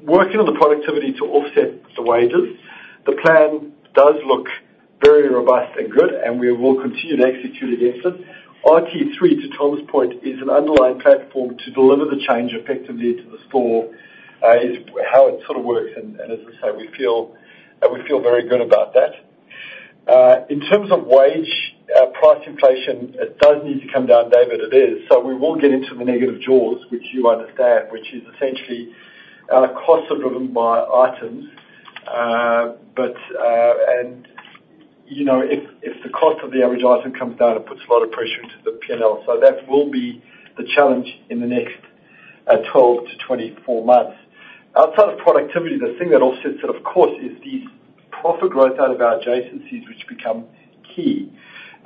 working on the productivity to offset the wages. The plan does look very robust and good, and we will continue to execute against it. RT3, to Tom's point, is an underlying platform to deliver the change effectively into the store, is how it sort of works. And as I say, we feel very good about that. In terms of wage, price inflation, it does need to come down, David. It is. So we will get into the negative jaws, which you understand, which is essentially costs are driven by items. And if the cost of the average item comes down, it puts a lot of pressure into the P&L. So that will be the challenge in the next 12 to 24 months. Outside of productivity, the thing that offsets it, of course, is these profit growth out of our adjacencies, which become key.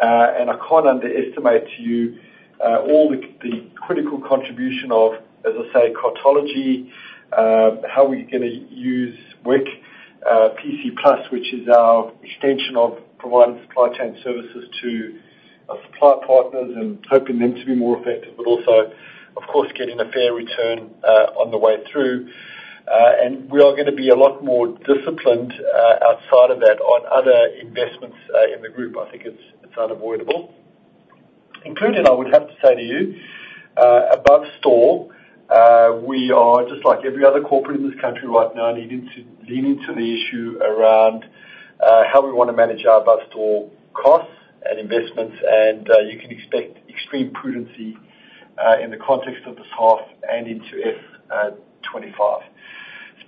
I can't underestimate to you all the critical contribution of, as I say, Cartology, how we're going to use WooliesX PC Plus, which is our extension of providing supply chain services to our supplier partners and hoping them to be more effective, but also, of course, getting a fair return on the way through. We are going to be a lot more disciplined outside of that on other investments in the group. I think it's unavoidable. Including, I would have to say to you, above-store, we are, just like every other corporate in this country right now, leaning to the issue around how we want to manage our above-store costs and investments. You can expect extreme prudence in the context of this half and into F25.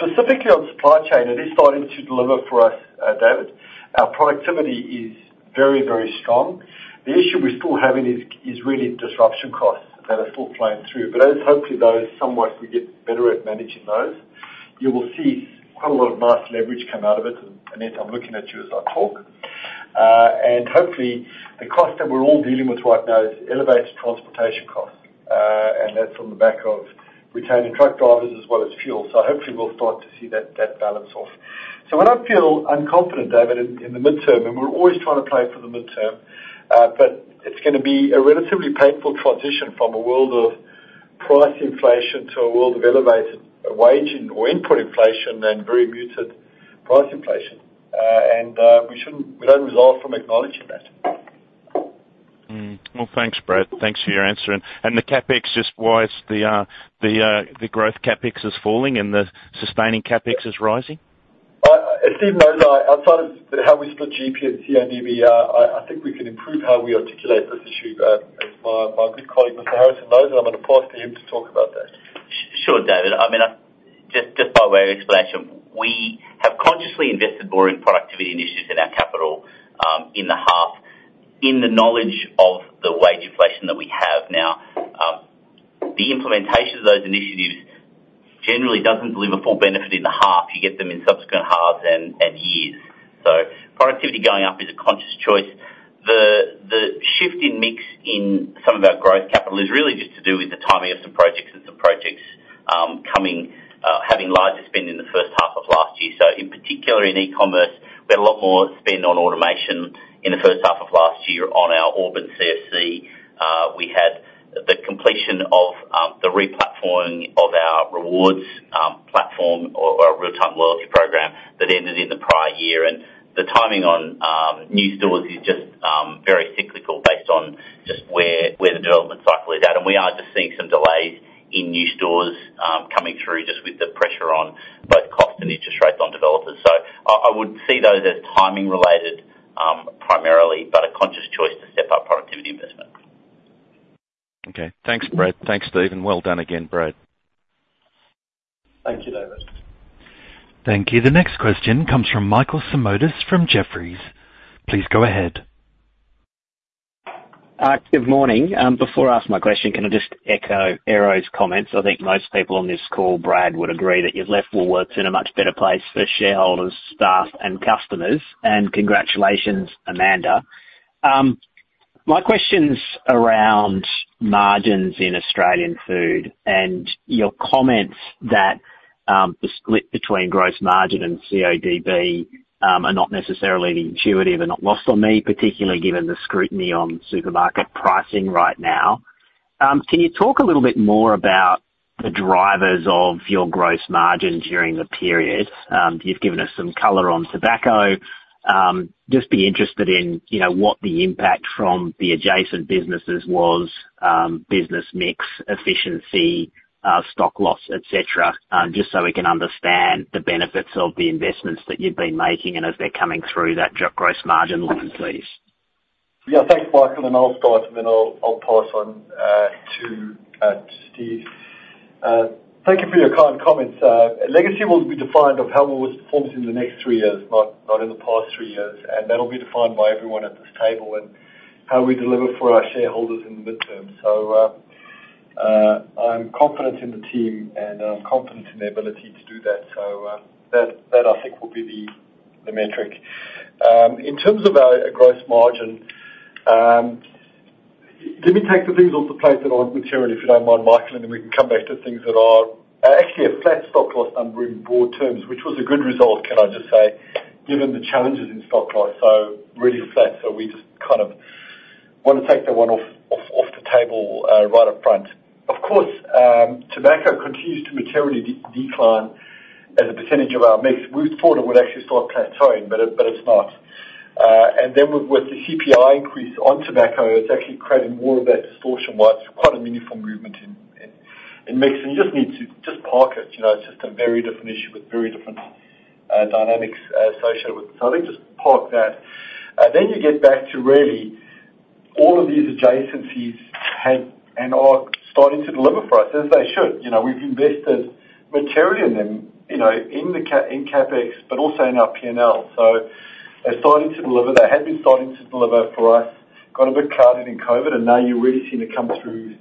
Specifically on supply chain, it is starting to deliver for us, David. Our productivity is very, very strong. The issue we're still having is really disruption costs that are still flowing through. But hopefully, somewhat, we get better at managing those. You will see quite a lot of nice leverage come out of it. And yes, I'm looking at you as I talk. And hopefully, the cost that we're all dealing with right now is elevated transportation costs. And that's on the back of retaining truck drivers as well as fuel. So hopefully, we'll start to see that balance out. So we don't feel unconfident, David, in the midterm. And we're always trying to play for the midterm. But it's going to be a relatively painful transition from a world of price inflation to a world of elevated wage or input inflation and very muted price inflation. We don't resile from acknowledging that. Well, thanks, Brad. Thanks for your answer. The CapEx, just why is the growth CapEx falling and the sustaining CapEx rising? Steve knows how we split GP and CODB. I think we can improve how we articulate this issue, as my good colleague, Mr. Harrison, knows. I'm going to pause for him to talk about that. Sure, David. I mean, just by way of explanation, we have consciously invested more in productivity initiatives in our capital in the half in the knowledge of the wage inflation that we have now. The implementation of those initiatives generally doesn't deliver full benefit in the half. You get them in subsequent halves and years. So productivity going up is a conscious choice. The shift in mix in some of our growth capital is really just to do with the timing of some projects and some projects having larger spend in the first half of last year. So in particular, in e-commerce, we had a lot more spend on automation in the first half of last year on our Auburn CFC. We had the completion of the replatforming of our rewards platform or our real-time loyalty program that ended in the prior year. And the timing on new stores is just very cyclical based on just where the development cycle is at. And we are just seeing some delays in new stores coming through just with the pressure on both cost and interest rates on developers. So I would see those as timing-related primarily but a conscious choice to step up productivity investment. Okay. Thanks, Brad. Thanks, Stephen. Well done again, Brad. Thank you, David. Thank you. The next question comes from Michael Simotas from Jefferies. Please go ahead. Good morning. Before I ask my question, can I just echo Erro's comments? I think most people on this call, Brad, would agree that you've left Woolworths in a much better place for shareholders, staff, and customers. And congratulations, Amanda. My question's around margins in Australian food. And your comments that the split between gross margin and CODB are not necessarily the intuitive are not lost on me, particularly given the scrutiny on supermarket pricing right now. Can you talk a little bit more about the drivers of your gross margin during the period? You've given us some colour on tobacco. Just be interested in what the impact from the adjacent businesses was, business mix, efficiency, stop-loss, etc., just so we can understand the benefits of the investments that you've been making and as they're coming through that gross margin line, please. Yeah, thanks, Michael. I'll start, and then I'll pass on to Steve. Thank you for your kind comments. Legacy will be defined of how Woolworths performs in the next three years, not in the past three years. That'll be defined by everyone at this table and how we deliver for our shareholders in the midterm. I'm confident in the team, and I'm confident in the ability to do that. That, I think, will be the metric. In terms of our gross margin, let me take the things off the plate that aren't material, if you don't mind, Michael, and then we can come back to things that are actually a flat topline number in broad terms, which was a good result, can I just say, given the challenges in topline. So really flat. So we just kind of want to take that one off the table right up front. Of course, tobacco continues to materially decline as a percentage of our mix. We thought it would actually start to plateau, but it's not. And then with the CPI increase on tobacco, it's actually creating more of that distortion while quite a meaningful movement in mix. And you just need to just park it. It's just a very different issue with very different dynamics associated with it. So I think just park that. Then you get back to really all of these adjacencies and are starting to deliver for us as they should. We've invested materially in them, in CAPEX but also in our P&L. So they're starting to deliver. They had been starting to deliver for us, got a bit crowded in COVID, and now you're really seeing it come through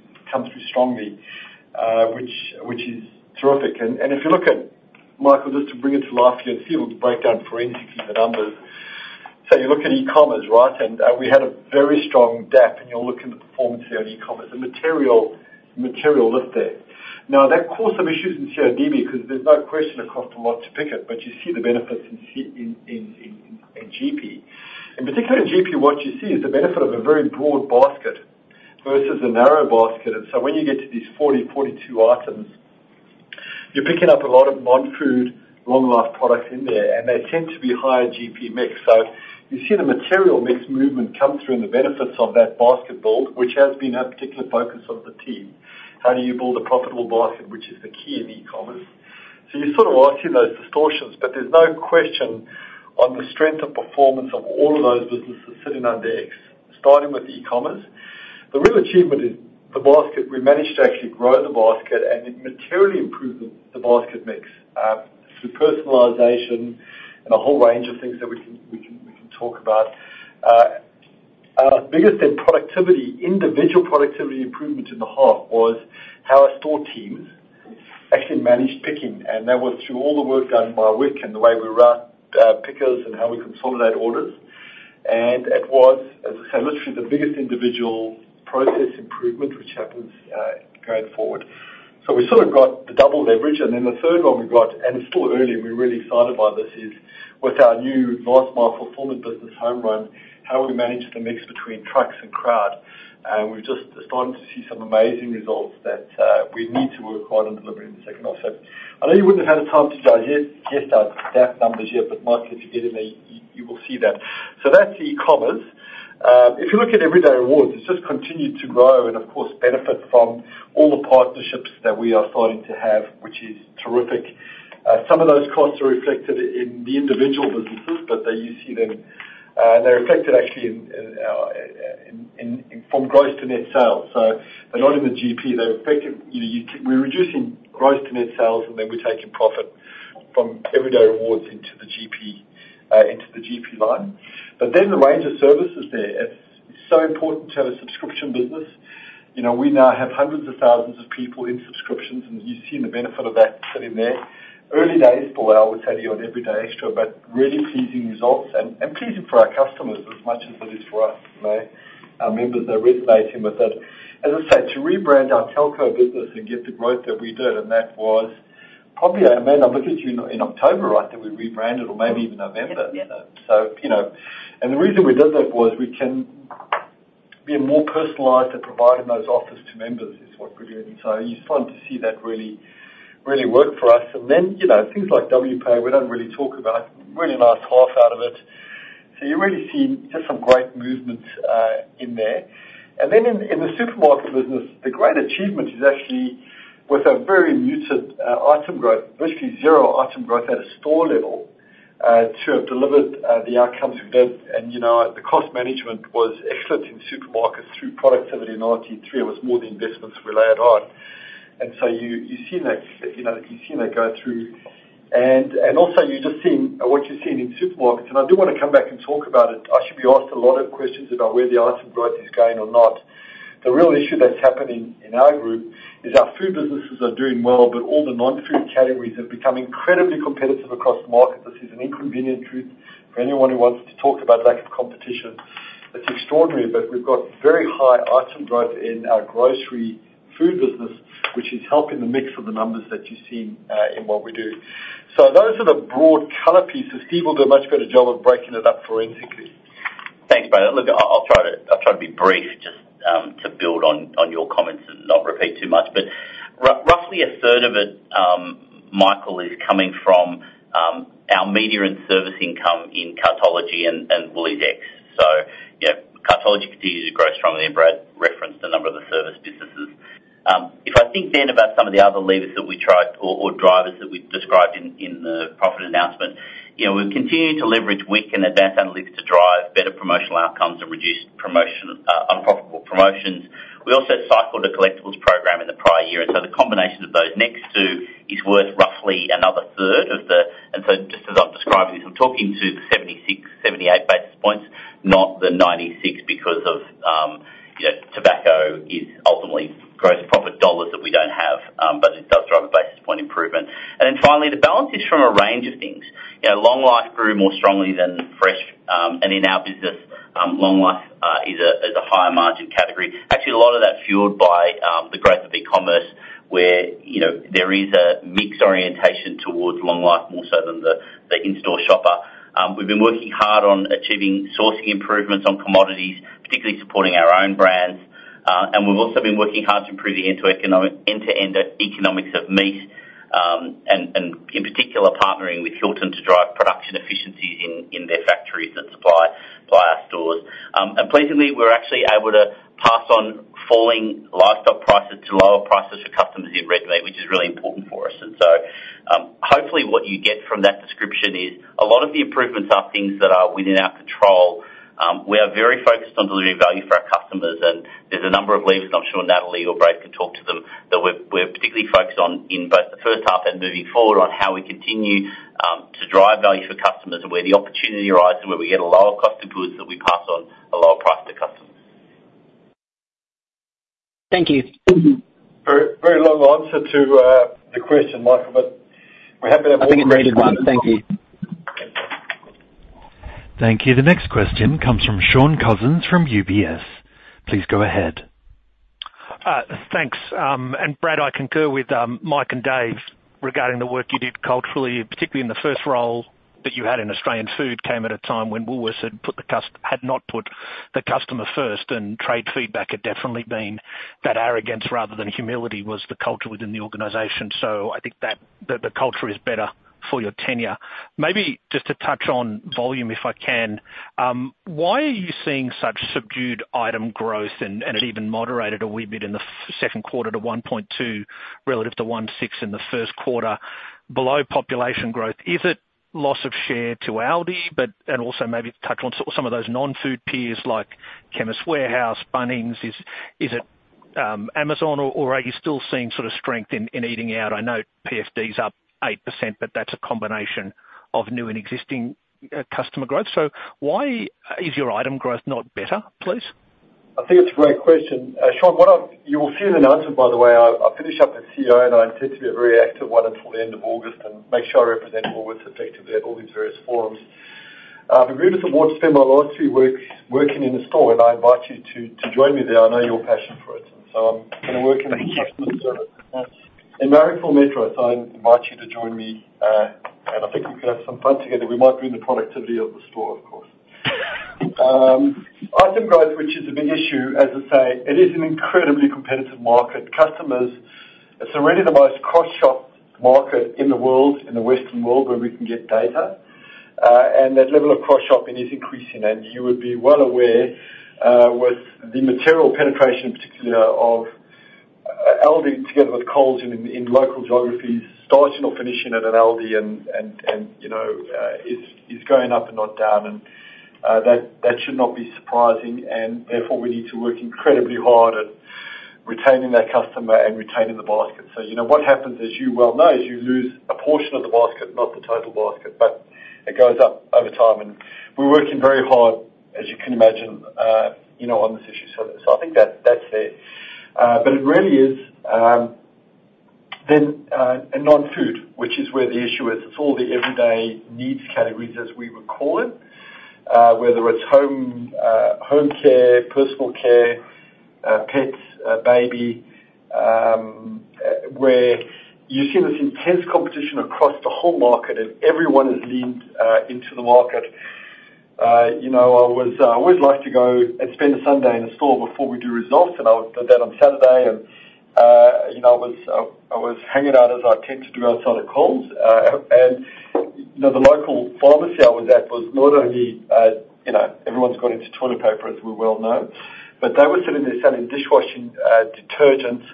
strongly, which is terrific. And if you look at Michael, just to bring it to life here, and Steve, we'll break down forensically the numbers. So you look at e-commerce, right? And we had a very strong gap, and you'll look at the performance there in e-commerce. A material lift there. Now, that caused some issues in CODB because there's no question it cost a lot to pick it, but you see the benefits in GP. In particular, in GP, what you see is the benefit of a very broad basket versus a narrow basket. And so when you get to these 40, 42 items, you're picking up a lot of non-food, long-life products in there, and they tend to be higher GP mix. So you see the material mix movement come through and the benefits of that basket build, which has been a particular focus of the team. How do you build a profitable basket, which is the key in e-commerce? So you're sort of asking those distortions, but there's no question on the strength of performance of all of those businesses sitting under X, starting with e-commerce. The real achievement is the basket. We managed to actually grow the basket, and it materially improved the basket mix through personalization and a whole range of things that we can talk about. Our biggest, then, productivity individual productivity improvement in the half was how our store teams actually managed picking. That was through all the work done by WooliesX and the way we route pickers and how we consolidate orders. And it was, as I say, literally the biggest individual process improvement which happens going forward. So we sort of got the double leverage. And then the third one we got, and it's still early, and we're really excited by this, is with our new last-mile fulfillment business, HomeRun, how we manage the mix between trucks and crowd. And we've just started to see some amazing results that we need to work hard on delivering in the second half. So I know you wouldn't have had a time to guess our gap numbers yet, but Michael, if you get in there, you will see that. So that's e-commerce. If you look at Everyday Rewards, it's just continued to grow and, of course, benefit from all the partnerships that we are starting to have, which is terrific. Some of those costs are reflected in the individual businesses, but you see them. They're reflected actually from gross to net sales. So they're not in the GP. They're reflected we're reducing gross to net sales, and then we're taking profit from Everyday Rewards into the GP line. But then the range of services there, it's so important to have a subscription business. We now have hundreds of thousands of people in subscriptions, and you see the benefit of that sitting there. Early days, Bill, I always say to you on Everyday Extra, but really pleasing results and pleasing for our customers as much as it is for us. Our members, they're resonating with it. As I say, to rebrand our telco business and get the growth that we did, and that was probably Amanda. I looked at you in October, right, that we rebranded or maybe even November. And the reason we did that was we can be more personalized at providing those offers to members is what we're doing. So you're starting to see that really work for us. And then things like WooliesX, we don't really talk about. Really nice half out of it. So you really see just some great movements in there. And then in the supermarket business, the great achievement is actually with a very muted item growth, virtually zero item growth at a store level to have delivered the outcomes we did. And the cost management was excellent in supermarkets through productivity in RT3. It was more the investments we laid on. And so you've seen that you've seen that go through. And also, you're just seeing what you're seeing in supermarkets. And I do want to come back and talk about it. I should be asked a lot of questions about where the item growth is going or not. The real issue that's happening in our group is our food businesses are doing well, but all the non-food categories have become incredibly competitive across the market. This is an inconvenient truth for anyone who wants to talk about lack of competition. It's extraordinary, but we've got very high item growth in our grocery food business, which is helping the mix of the numbers that you've seen in what we do. So those are the broad color pieces. Steve will do a much better job of breaking it up forensically. Thanks, Brad. Look, I'll try to be brief just to build on your comments and not repeat too much. But roughly a third of it, Michael, is coming from our media and service income in Cartology and WooliesX. So Cartology continues to grow strongly there. Brad referenced a number of the service businesses. If I think then about some of the other levers that we tried or drivers that we described in the profit announcement, we're continuing to leverage WIC and advanced analytics to drive better promotional outcomes and reduced unprofitable promotions. We also cycled a collectibles program in the prior year. And so the combination of those next two is worth roughly another third of the, and so just as I'm describing this, I'm talking to the 76-78 basis points, not the 96 because of tobacco is ultimately gross profit dollars that we don't have, but it does drive a basis point improvement. Then finally, the balance is from a range of things. Long life grew more strongly than fresh. And in our business, long life is a higher margin category. Actually, a lot of that fuelled by the growth of e-commerce where there is a mixed orientation towards long life more so than the in-store shopper. We've been working hard on achieving sourcing improvements on commodities, particularly supporting our own brands. We've also been working hard to improve the end-to-end economics of meat and, in particular, partnering with Hilton to drive production efficiencies in their factories that supply our stores. Pleasingly, we're actually able to pass on falling livestock prices to lower prices for customers in red meat, which is really important for us. Hopefully, what you get from that description is a lot of the improvements are things that are within our control. We are very focused on delivering value for our customers. There's a number of levers, and I'm sure Natalie or Brad can talk to them, that we're particularly focused on in both the first half and moving forward on how we continue to drive value for customers and where the opportunity arises where we get a lower cost of goods that we pass on a lower price to customers. Thank you. Very long answer to the question, Michael, but we're happy to have all the questions. I think a great one. Thank you. Thank you. The next question comes from Shaun Cousins from UBS. Please go ahead. Thanks. And Brad, I concur with Mike and Dave regarding the work you did culturally. Particularly in the first role that you had in Australian food came at a time when Woolworths had not put the customer first. And trade feedback had definitely been that arrogance rather than humility was the culture within the organization. So I think that the culture is better for your tenure. Maybe just to touch on volume, if I can, why are you seeing such subdued item growth? And it even moderated a wee bit in the second quarter to 1.2 relative to 1.6 in the first quarter, below population growth. Is it loss of share to ALDI? Also maybe touch on some of those non-food peers like Chemist Warehouse, Bunnings. Is it Amazon? Or are you still seeing sort of strength in eating out? I note PFD's up 8%, but that's a combination of new and existing customer growth. So why is your item growth not better, please? I think it's a great question. Sean, you will see in the announcement, by the way. I finish up as CEO, and I intend to be a very active one until the end of August and make sure I represent Woolworths effectively at all these various forums. I've agreed with the board to spend my last three weeks working in a store, and I invite you to join me there. I know you're passionate for it. And so I'm going to work in the customer service. In Marrickville Metro, so I invite you to join me. And I think we could have some fun together. We might bring the productivity of the store, of course. Item growth, which is a big issue, as I say, it is an incredibly competitive market. It's already the most cross-shop market in the world, in the Western world, where we can get data. And that level of cross-shopping is increasing. And you would be well aware with the material penetration, particularly of ALDI together with Coles in local geographies, starting or finishing at an ALDI and is going up and not down. And that should not be surprising. And therefore, we need to work incredibly hard at retaining that customer and retaining the basket. So what happens, as you well know, is you lose a portion of the basket, not the total basket, but it goes up over time. And we're working very hard, as you can imagine, on this issue. So I think that's there. But it really is then in non-food, which is where the issue is. It's all the everyday needs categories, as we would call it, whether it's home care, personal care, pets, baby, where you see this intense competition across the whole market, and everyone is leaned into the market. I always like to go and spend a Sunday in a store before we do results, and I would do that on Saturday. And I was hanging out, as I tend to do, outside of Coles. And the local pharmacy I was at was not only everyone's got into toilet paper, as we well know, but they were sitting there selling dishwashing detergents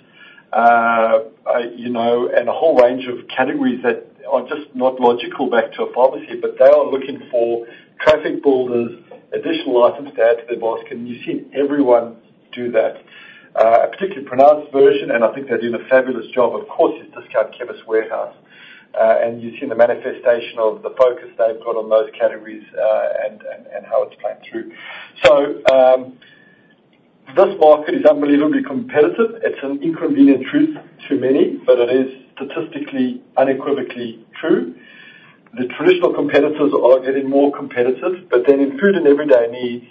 and a whole range of categories that are just not logical back to a pharmacy. But they are looking for traffic builders, additional items to add to their basket. And you've seen everyone do that, a particularly pronounced version. And I think they're doing a fabulous job, of course, is discount Chemist Warehouse. And you've seen the manifestation of the focus they've got on those categories and how it's played through. So this market is unbelievably competitive. It's an inconvenient truth to many, but it is statistically unequivocally true. The traditional competitors are getting more competitive. But then in food and everyday needs,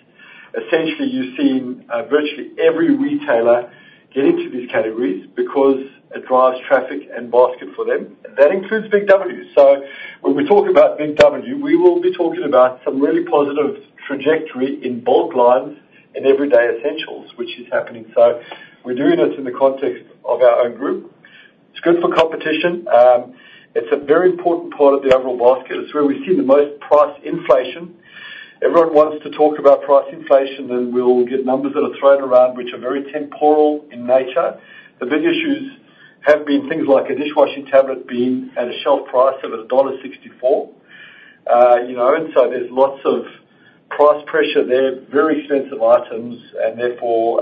essentially, you've seen virtually every retailer get into these categories because it drives traffic and basket for them. And that includes Big W. So when we talk about Big W, we will be talking about some really positive trajectory in bulk lines in everyday essentials, which is happening. So we're doing this in the context of our own group. It's good for competition. It's a very important part of the overall basket. It's where we've seen the most price inflation. Everyone wants to talk about price inflation, and we'll get numbers that are thrown around which are very temporal in nature. The big issues have been things like a dishwashing tablet being at a shelf price of dollar 1.64. And so there's lots of price pressure there, very expensive items. And therefore,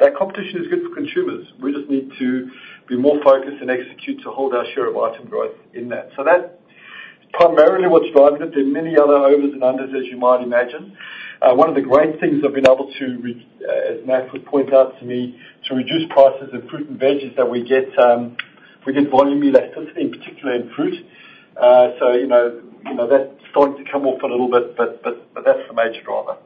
that competition is good for consumers. We just need to be more focused and execute to hold our share of item growth in that. So that's primarily what's driving it. There are many other overs and unders, as you might imagine. One of the great things I've been able to, as Matt would point out to me, to reduce prices in fruit and veg is that we get volume elasticity, in particular in fruit. So that's starting to come off a little bit, but that's the major driver.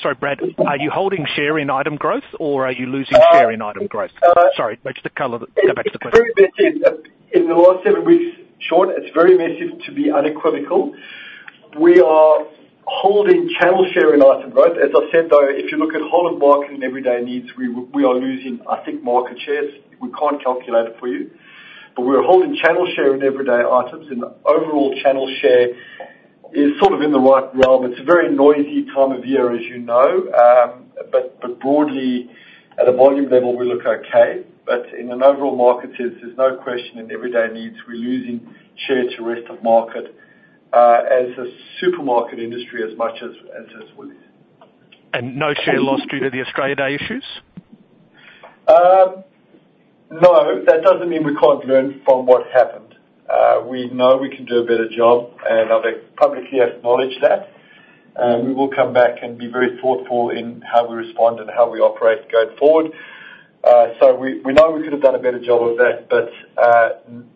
Sorry, Brad. Are you holding share in item growth, or are you losing share in item growth? Sorry, back to the color. Go back to the question. It's very massive in the last seven weeks, Sean. It's very massive to be unequivocal. We are holding channel share in item growth. As I said, though, if you look at whole of market and everyday needs, we are losing, I think, market shares. We can't calculate it for you. But we are holding channel share in everyday items. And the overall channel share is sort of in the right realm. It's a very noisy time of year, as you know. But broadly, at a volume level, we look okay. But in an overall market sense, there's no question in everyday needs, we're losing share to rest of market as a supermarket industry as much as Woolies. And no share loss due to the Australia Day issues? No. That doesn't mean we can't learn from what happened. We know we can do a better job, and I've publicly acknowledged that. And we will come back and be very thoughtful in how we respond and how we operate going forward. So we know we could have done a better job of that, but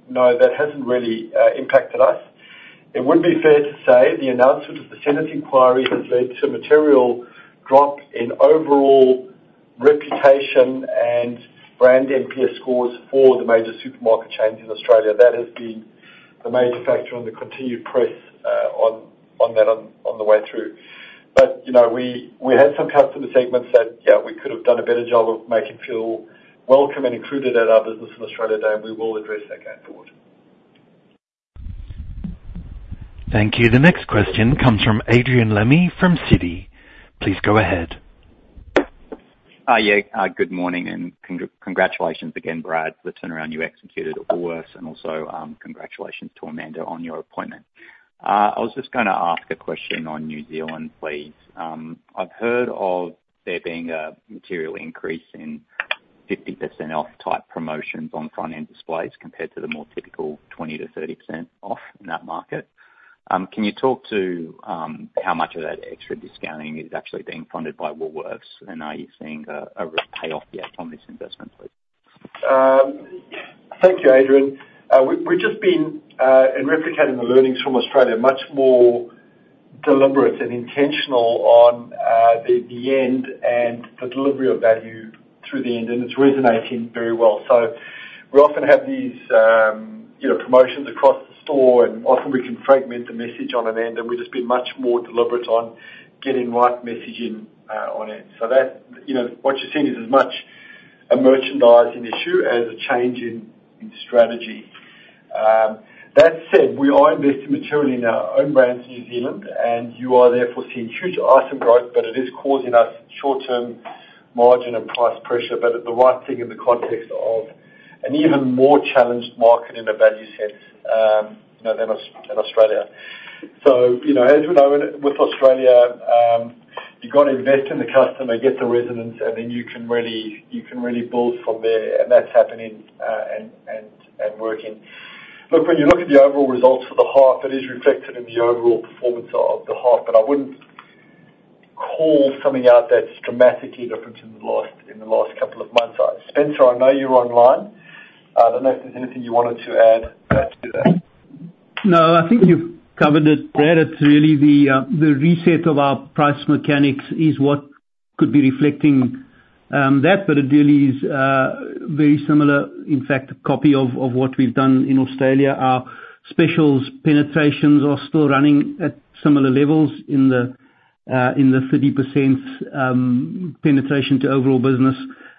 no, that hasn't really impacted us. It would be fair to say the announcement of the Senate inquiry has led to a material drop in overall reputation and brand NPS scores for the major supermarket chains in Australia. That has been the major factor and the continued press on that on the way through. But we had some customer segments that, yeah, we could have done a better job of making feel welcome and included at our business in Australia Day, and we will address that going forward. Thank you. The next question comes from Adrian Lemme from Citi. Please go ahead. Yeah. Good morning. And congratulations again, Brad, for the turnaround you executed at Woolworths. And also congratulations to Amanda on your appointment. I was just going to ask a question on New Zealand, please. I've heard of there being a material increase in 50% off-type promotions on front-end displays compared to the more typical 20%-30% off in that market. Can you talk to how much of that extra discounting is actually being funded by Woolworths? And are you seeing a payoff yet from this investment, please? Thank you, Adrian. We've just been in replicating the learnings from Australia, much more deliberate and intentional on the end and the delivery of value through the end. And it's resonating very well. So we often have these promotions across the store, and often we can fragment the message on an end. And we've just been much more deliberate on getting right messaging on end. So what you're seeing is as much a merchandising issue as a change in strategy. That said, we are investing materially in our own brands in New Zealand, and you are therefore seeing huge item growth. But it is causing us short-term margin and price pressure. But it's the right thing in the context of an even more challenged market in a value sense than Australia. So as we know, with Australia, you've got to invest in the customer, get the resonance, and then you can really build from there. And that's happening and working. Look, when you look at the overall results for the half, it is reflected in the overall performance of the half. But I wouldn't call something out that's dramatically different in the last couple of months. Spencer, I know you're online. I don't know if there's anything you wanted to add to that. No. I think you've covered it, Brad. It's really the reset of our price mechanics is what could be reflecting that. But it really is very similar, in fact, a copy of what we've done in Australia. Our specials penetrations are still running at similar levels in the 30% penetration to overall business.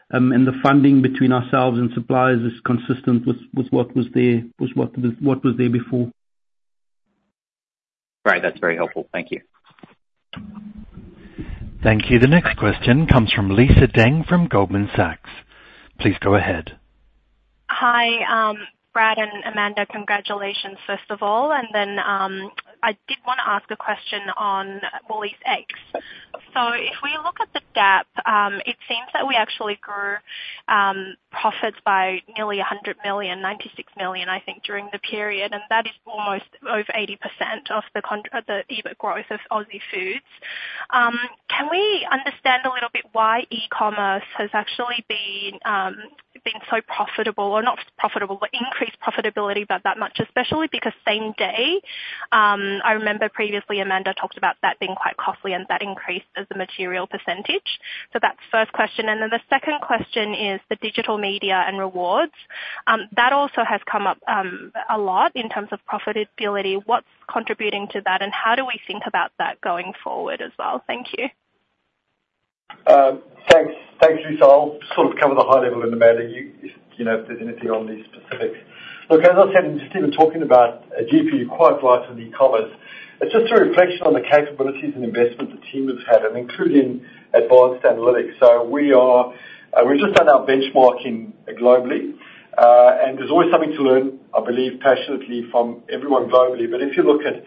The funding between ourselves and suppliers is consistent with what was there was what was there before. Right. That's very helpful. Thank you. Thank you. The next question comes from Lisa Deng from Goldman Sachs. Please go ahead. Hi, Brad and Amanda. Congratulations, first of all. Then I did want to ask a question on WooliesX. So if we look at the gap, it seems that we actually grew profits by nearly 100 million, 96 million, I think, during the period. And that is almost over 80% of the EBIT growth of Australian Food. Can we understand a little bit why e-commerce has actually been so profitable or not profitable, but increased profitability by that much, especially because same day I remember previously Amanda talked about that being quite costly and that increase as a material percentage. So that's the first question. And then the second question is the digital media and rewards. That also has come up a lot in terms of profitability. What's contributing to that, and how do we think about that going forward as well? Thank you. Thanks. Thanks, Lisa. I'll sort of cover the high-level in the matter if there's anything on these specifics. Look, as I said, and just even talking about a GP, you're quite right on e-commerce, it's just a reflection on the capabilities and investments the team has had, including advanced analytics. So we've just done our benchmarking globally. And there's always something to learn, I believe, passionately from everyone globally. But if you look at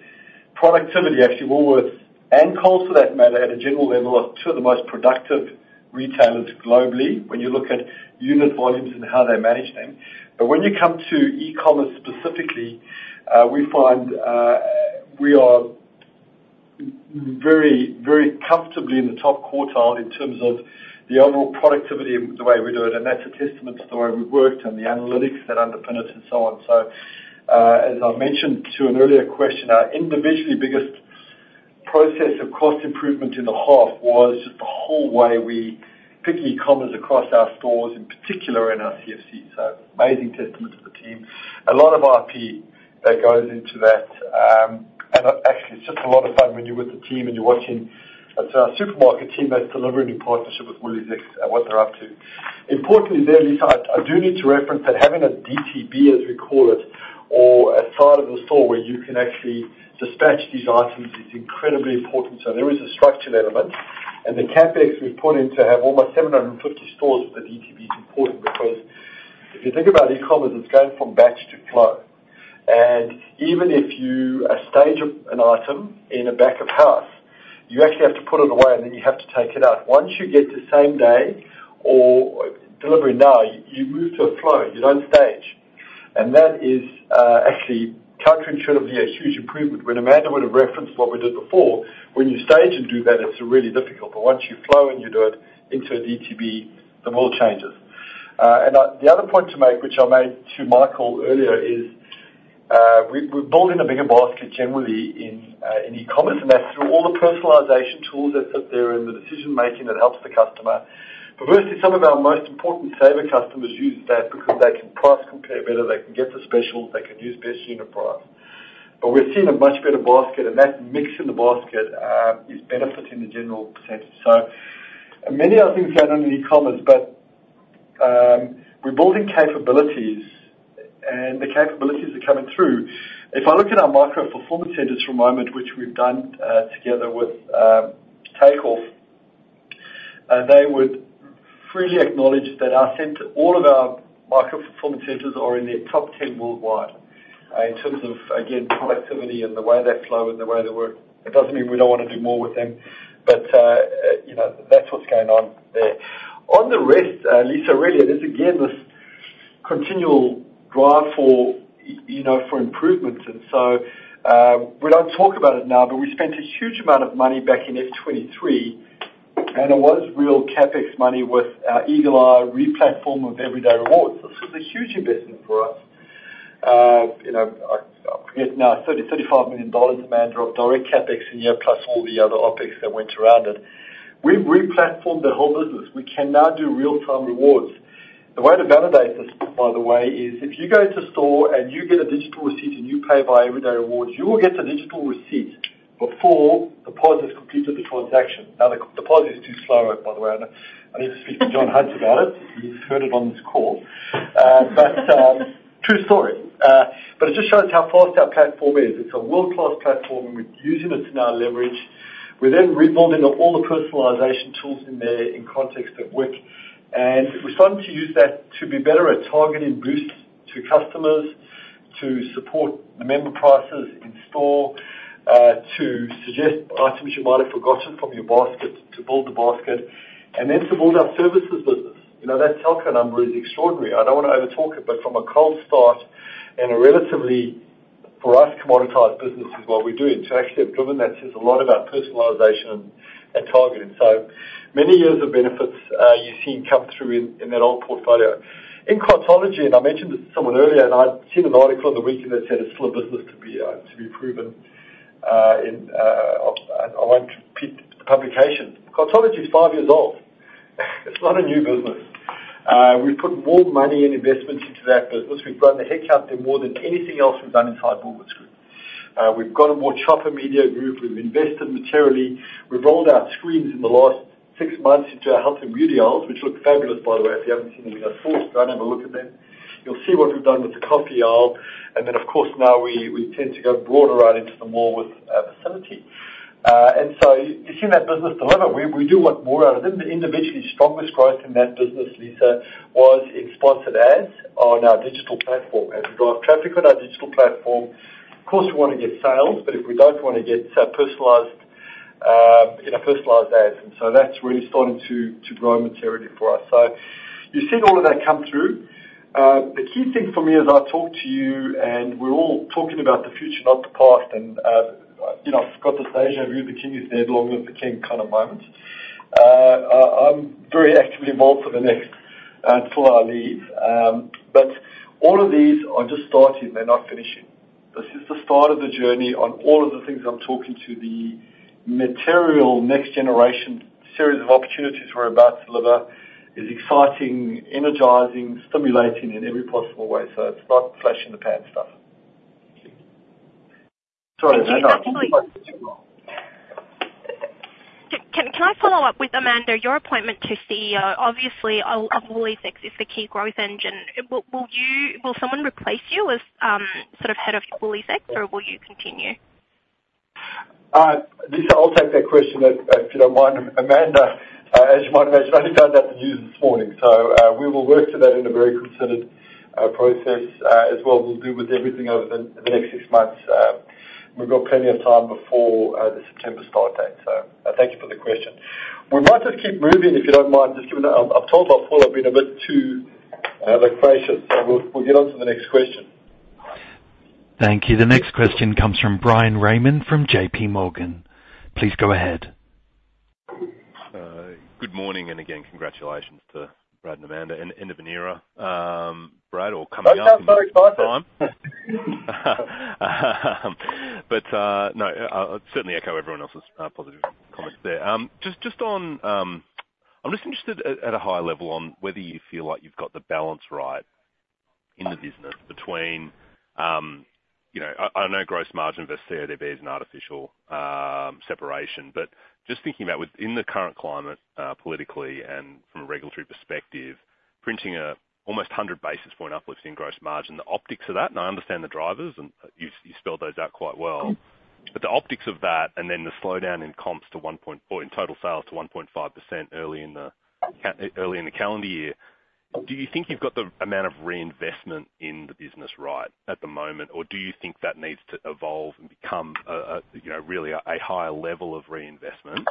productivity, actually, Woolworths and Coles, for that matter, at a general level, are two of the most productive retailers globally when you look at unit volumes and how they manage them. But when you come to e-commerce specifically, we find we are very, very comfortably in the top quartile in terms of the overall productivity and the way we do it. And that's a testament to the way we've worked and the analytics that underpin it and so on. So as I mentioned to an earlier question, our individually biggest process of cost improvement in the half was just the whole way we pick e-commerce across our stores, in particular in our CFC. So amazing testament to the team. A lot of IP that goes into that. And actually, it's just a lot of fun when you're with the team and you're watching our supermarket team that's delivering in partnership with WooliesX and what they're up to. Importantly there, Lisa, I do need to reference that having a DTB, as we call it, or a side of the store where you can actually dispatch these items is incredibly important. So there is a structural element. And the CapEx we've put in to have almost 750 stores with a DTB is important because if you think about e-commerce, it's going from batch to flow. And even if you stage an item in a back of house, you actually have to put it away, and then you have to take it out. Once you get to same day or delivery now, you move to a flow. You don't stage. And that is actually counterintuitively a huge improvement. When Amanda would have referenced what we did before, when you stage and do that, it's really difficult. But once you flow and you do it into a DTB, the world changes. The other point to make, which I made to Michael earlier, is we're building a bigger basket generally in e-commerce. That's through all the personalization tools that sit there in the decision-making that helps the customer. But mostly, some of our most important saver customers use that because they can price compare better. They can get the specials. They can use best unit price. But we're seeing a much better basket. And that mix in the basket is benefiting the general percentage. So many other things going on in e-commerce, but we're building capabilities. And the capabilities are coming through. If I look at our micro-performance centers for a moment, which we've done together with Takeoff, they would freely acknowledge that all of our micro-performance centers are in their top 10 worldwide in terms of, again, productivity and the way they flow and the way they work. It doesn't mean we don't want to do more with them, but that's what's going on there. On the rest, Lisa, really, there's, again, this continual drive for improvement. And so we don't talk about it now, but we spent a huge amount of money back in F23. And it was real CapEx money with our Eagle Eye replatform of Everyday Rewards. This was a huge investment for us. I forget now, 30 million-35 million dollars, Amanda, of direct CapEx in year plus all the other OPEX that went around it. We've replatformed the whole business. We can now do real-time rewards. The way to validate this, by the way, is if you go to a store and you get a digital receipt and you pay by Everyday Rewards, you will get a digital receipt before the deposit is completed, the transaction. Now, the deposit is too slow out, by the way. I need to speak to John Hunt about it. He's heard it on this call. But true story. But it just shows how fast our platform is. It's a world-class platform, and we're using it to now leverage. We're then rebuilding all the personalization tools in there in context of work. And we're starting to use that to be better at targeting boosts to customers, to support the member prices in store, to suggest items you might have forgotten from your basket, to build the basket, and then to build our services business. That telco number is extraordinary. I don't want to overtalk it, but from a cold start and a relatively, for us, commoditized business is what we're doing, to actually have driven that says a lot about personalization and targeting. So many years of benefits you've seen come through in that old portfolio. In Cartology and I mentioned this to someone earlier, and I'd seen an article in The Weekly that said it's still a business to be proven. I won't repeat the publication. Cartology's five years old. It's not a new business. We've put more money and investments into that business. We've grown the headcount there more than anything else we've done inside Woolworths Group. We've got a Shopper Media group. We've invested materially. We've rolled out screens in the last six months into our health and beauty aisles, which look fabulous, by the way. If you haven't seen them in our stores, go and have a look at them. You'll see what we've done with the coffee aisle. And then, of course, now we tend to go broader out into the mall with our facility. You've seen that business deliver. We do want more out of them. The individually strongest growth in that business, Lisa, was in sponsored ads on our digital platform. As we drive traffic on our digital platform, of course, we want to get sales, but if we don't, we want to get personalized ads. That's really starting to grow materially for us. You've seen all of that come through. The key thing for me as I talk to you and we're all talking about the future, not the past. I've got the stage over you. The king is dead. Long live the king kind of moment. I'm very actively involved for the next until I leave. All of these are just starting, they're not finishing. This is the start of the journey on all of the things I'm talking to. The material next-generation series of opportunities we're about to deliver is exciting, energizing, stimulating in every possible way. So it's not flash-in-the-pan stuff. Sorry, Amanda. Can I follow up with Amanda, your appointment to CEO? Obviously, WooliesX is the key growth engine. Will someone replace you as sort of head of WooliesX, or will you continue? Lisa, I'll take that question if you don't mind. Amanda, as you might imagine, I only found out the news this morning. So we will work to that in a very concerted process as well. We'll do with everything over the next six months. We've got plenty of time before the September start date. So thank you for the question. We might just keep moving if you don't mind. I've told myself I've been a bit too loquacious. So we'll get on to the next question. Thank you. The next question comes from Bryan Raymond from J.P. Morgan. Please go ahead. Good morning. Again, congratulations to Brad and Amanda and to Von Ingram. Brad, you're coming up in time. I'm so excited. But no, I'll certainly echo everyone else's positive comments there. Just on, I'm just interested at a high level on whether you feel like you've got the balance right in the business between. I know gross margin versus CODB is an artificial separation. But just thinking about within the current climate, politically and from a regulatory perspective, printing almost 100 basis points uplifts in gross margin. The optics of that and I understand the drivers, and you've spelled those out quite well. But the optics of that and then the slowdown in comps to 1.4% in total sales to 1.5% early in the calendar year, do you think you've got the amount of reinvestment in the business right at the moment? Or do you think that needs to evolve and become really a higher level of reinvestment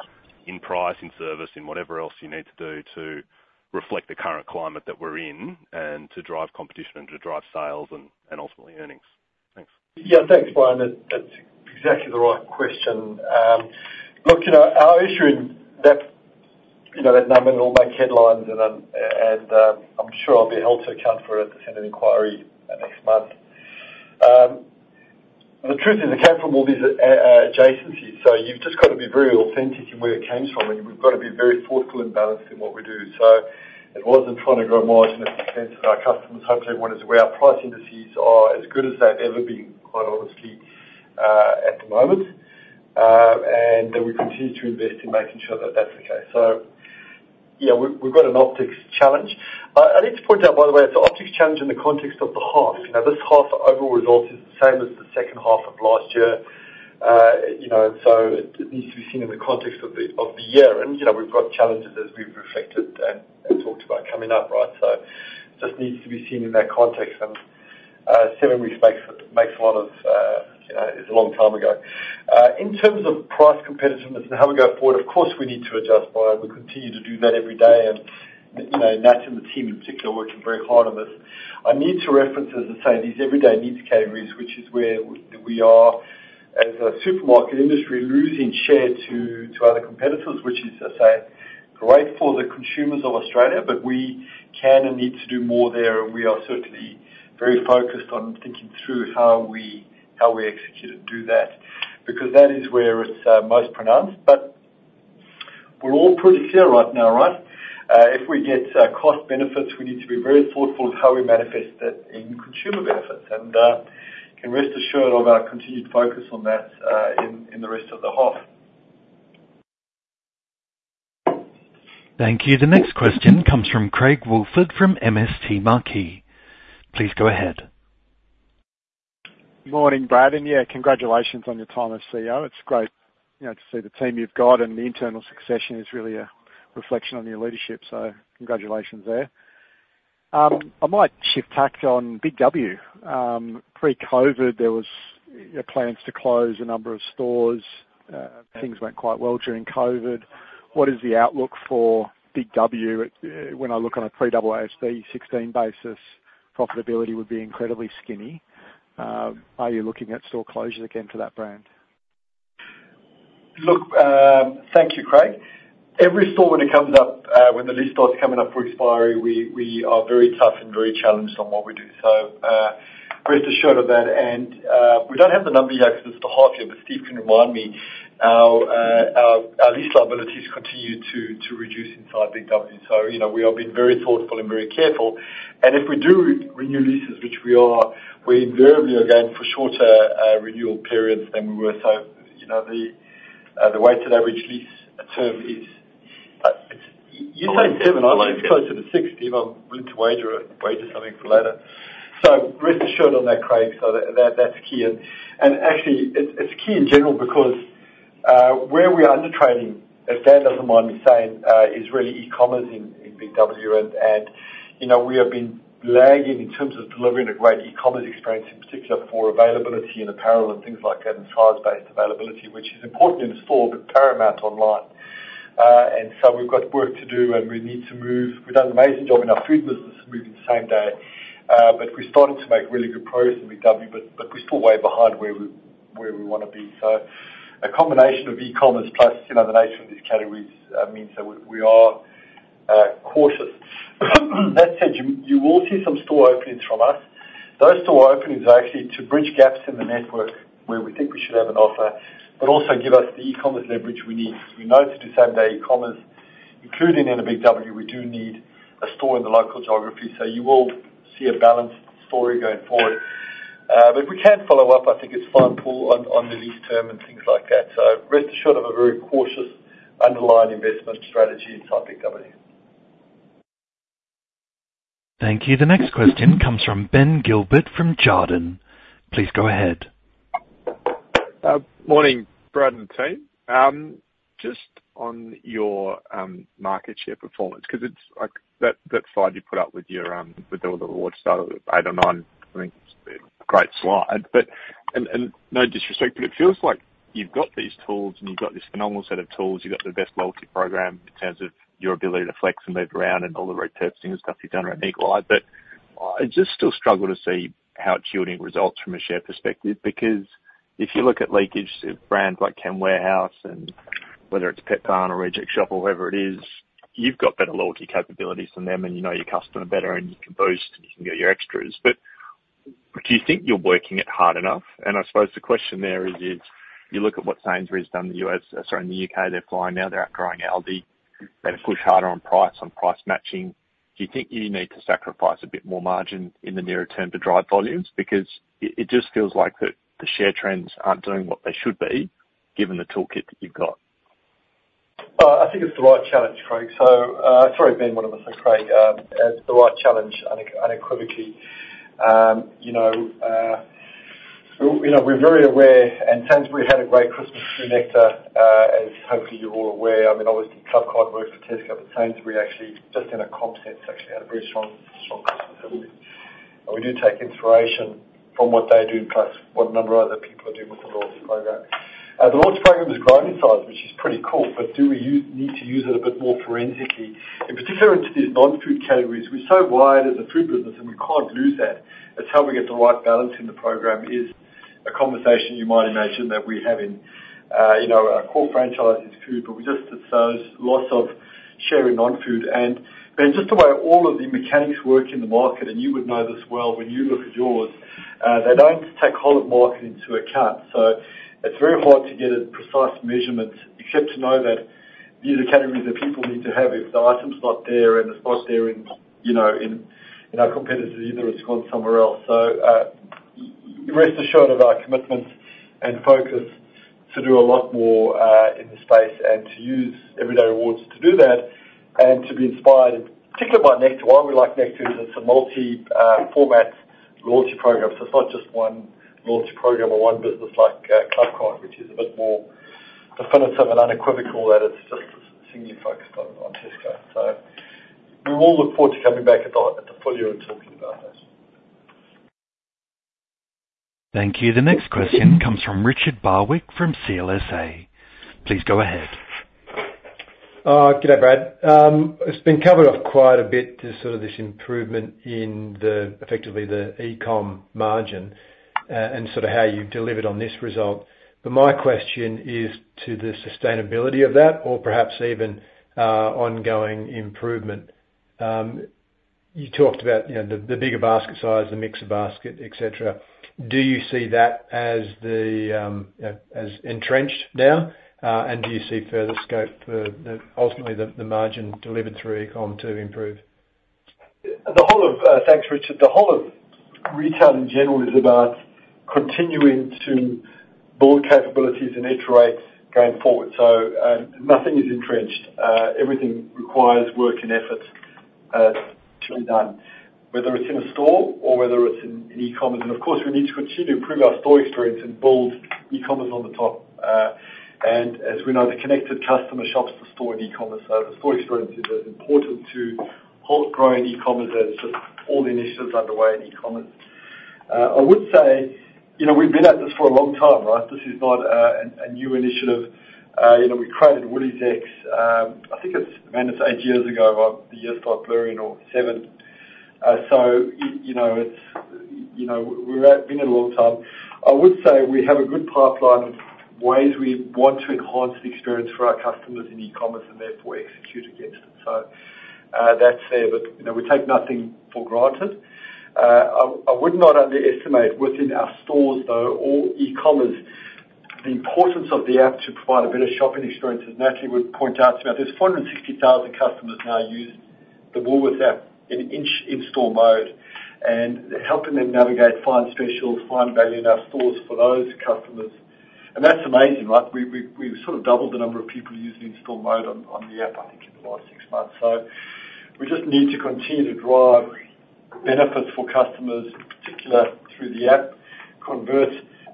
in price, in service, in whatever else you need to do to reflect the current climate that we're in and to drive competition and to drive sales and ultimately earnings? Thanks. Yeah. Thanks, Bryan. That's exactly the right question. Look, our issue in that number, it'll make headlines. And I'm sure I'll be held to account for it at the Senate inquiry next month. The truth is, it came from all these adjacencies. So you've just got to be very authentic in where it came from. We've got to be very thoughtful and balanced in what we do. It wasn't trying to grow margin at the expense of our customers. Hopefully, everyone is aware. Our price indices are as good as they've ever been, quite honestly, at the moment. We continue to invest in making sure that that's the case. Yeah, we've got an optics challenge. I need to point out, by the way, it's an optics challenge in the context of the half. This half overall result is the same as the second half of last year. It needs to be seen in the context of the year. We've got challenges as we've reflected and talked about coming up, right? It just needs to be seen in that context. Seven weeks makes a lot of is a long time ago. In terms of price competitiveness and how we go forward, of course, we need to adjust, Bryan. We continue to do that every day. And Nat and the team in particular are working very hard on this. I need to reference, as I say, these everyday needs categories, which is where we are, as a supermarket industry, losing share to other competitors, which is, I say, great for the consumers of Australia, but we can and need to do more there. And we are certainly very focused on thinking through how we execute and do that because that is where it's most pronounced. But we're all pretty clear right now, right? If we get cost benefits, we need to be very thoughtful of how we manifest that in consumer benefits. And you can rest assured of our continued focus on that in the rest of the half. Thank you. The next question comes from Craig Woolford from MST Marquee. Please go ahead. Morning, Brad. And yeah, congratulations on your time as CEO. It's great to see the team you've got. And the internal succession is really a reflection on your leadership. So congratulations there. I might shift tack on Big W. Pre-COVID, there was plans to close a number of stores. Things went quite well during COVID. What is the outlook for Big W when I look on a pre-AASB 16 basis? Profitability would be incredibly skinny. Are you looking at store closures again for that brand? Look, thank you, Craig. Every store, when it comes up when the list starts coming up for expiry, we are very tough and very challenged on what we do. So rest assured of that. And we don't have the number yet because it's the half year. But Steve can remind me how our lease liabilities continue to reduce inside Big W. So we have been very thoughtful and very careful. And if we do renew leases, which we are, we invariably are going for shorter renewal periods than we were. So the weighted average lease term is you say 7. I think it's closer to 6, Steve. I'm willing to wager something for later. So rest assured on that, Craig. So that's key. And actually, it's key in general because where we are undertrading, if Dan doesn't mind me saying, is really e-commerce in Big W. And we have been lagging in terms of delivering a great e-commerce experience, in particular for availability and apparel and things like that and size-based availability, which is important in the store but paramount online. And so we've got work to do. We need to move. We've done an amazing job in our food business of moving the same day. But we're starting to make really good progress in Big W. But we're still way behind where we want to be. So a combination of e-commerce plus the nature of these categories means that we are cautious. That said, you will see some store openings from us. Those store openings are actually to bridge gaps in the network where we think we should have an offer but also give us the e-commerce leverage we need. We know to do same-day e-commerce, including in a Big W. We do need a store in the local geography. So you will see a balanced story going forward. But if we can't follow up, I think it's fine, Paul, on the lease term and things like that. So rest assured of a very cautious underlying investment strategy inside Big W. Thank you. The next question comes from Ben Gilbert from Jarden. Please go ahead. Morning, Brad and team. Just. On your market share performance because it's that slide you put up with all the rewards started at eight or nine. I think it's a great slide. And no disrespect, but it feels like you've got these tools, and you've got this phenomenal set of tools. You've got the best loyalty program in terms of your ability to flex and move around and all the repurposing and stuff you've done around Eagle Eye. But I just still struggle to see how it's yielding results from a share perspective because if you look at leakage of brands like Chemist Warehouse and whether it's Petbarn or Reject Shop or whoever it is, you've got better loyalty capabilities than them. And you know your customer better. And you can boost. And you can get your extras. But do you think you're working it hard enough? And I suppose the question there is, is you look at what Sainsbury's done in the US sorry, in the UK. They're flying now. They're outgrowing Aldi. They've pushed harder on price, on price matching. Do you think you need to sacrifice a bit more margin in the nearer term to drive volumes? Because it just feels like that the share trends aren't doing what they should be given the toolkit that you've got. I think it's the right challenge, Craig. So sorry, Ben. What did I say, Craig? It's the right challenge unequivocally. We're very aware and Sainsbury had a great Christmas through Nectar, as hopefully you're all aware. I mean, obviously, Clubcard worked for Tesco, but Sainsbury actually, just in a comp sense, actually had a very strong Christmas every year. And we do take inspiration from what they do plus what a number of other people are doing with the loyalty program. The loyalty program is growing in size, which is pretty cool. But do we need to use it a bit more forensically, in particular into these non-food categories? We're so wide as a food business, and we can't lose that. It's how we get the right balance in the program is a conversation you might imagine that we have in our core franchise is food. But we just have those loss of share in non-food. And Ben, just the way all of the mechanics work in the market - and you would know this well when you look at yours - they don't take whole-of-market into account. So it's very hard to get a precise measurement except to know that these are categories that people need to have if the item's not there, and it's not there in our competitors. Either it's gone somewhere else. So rest assured of our commitment and focus to do a lot more in the space and to use Everyday Rewards to do that and to be inspired, in particular, by Nectar. Why we like Nectar is it's a multi-format loyalty program. So it's not just one loyalty program or one business like Clubcard, which is a bit more definitive and unequivocal that it's just singly focused on Tesco. So we will look forward to coming back at the full year and talking about that. Thank you. The next question comes from Richard Barwick from CLSA. Please go ahead. G'day, Brad. It's been covered off quite a bit, sort of this improvement in effectively the e-com margin and sort of how you've delivered on this result. But my question is to the sustainability of that or perhaps even ongoing improvement. You talked about the bigger basket size, the mixed basket, etc. Do you see that as entrenched now? And do you see further scope for, ultimately, the margin delivered through e-com to improve? Thanks, Richard. The whole of retail in general is about continuing to build capabilities and iterate going forward. So nothing is entrenched. Everything requires work and effort to be done, whether it's in a store or whether it's in e-commerce. Of course, we need to continue to improve our store experience and build e-commerce on the top. As we know, the connected customer shops the store in e-commerce. The store experience is as important to growing e-commerce as just all the initiatives underway in e-commerce. I would say we've been at this for a long time, right? This is not a new initiative. We created WooliesX. I think, man, it's eight years ago, the years started blurring or seven. So we've been at it a long time. I would say we have a good pipeline of ways we want to enhance the experience for our customers in e-commerce and therefore execute against it. So that's there. But we take nothing for granted. I would not underestimate, within our stores, though, or e-commerce, the importance of the app to provide a better shopping experience. And Natalie would point out to me that there's 460,000 customers now use the Woolworths app in-store mode and helping them navigate, find specials, find value in our stores for those customers. And that's amazing, right? We've sort of doubled the number of people using in-store mode on the app, I think, in the last six months. So we just need to continue to drive benefits for customers, in particular, through the app, convert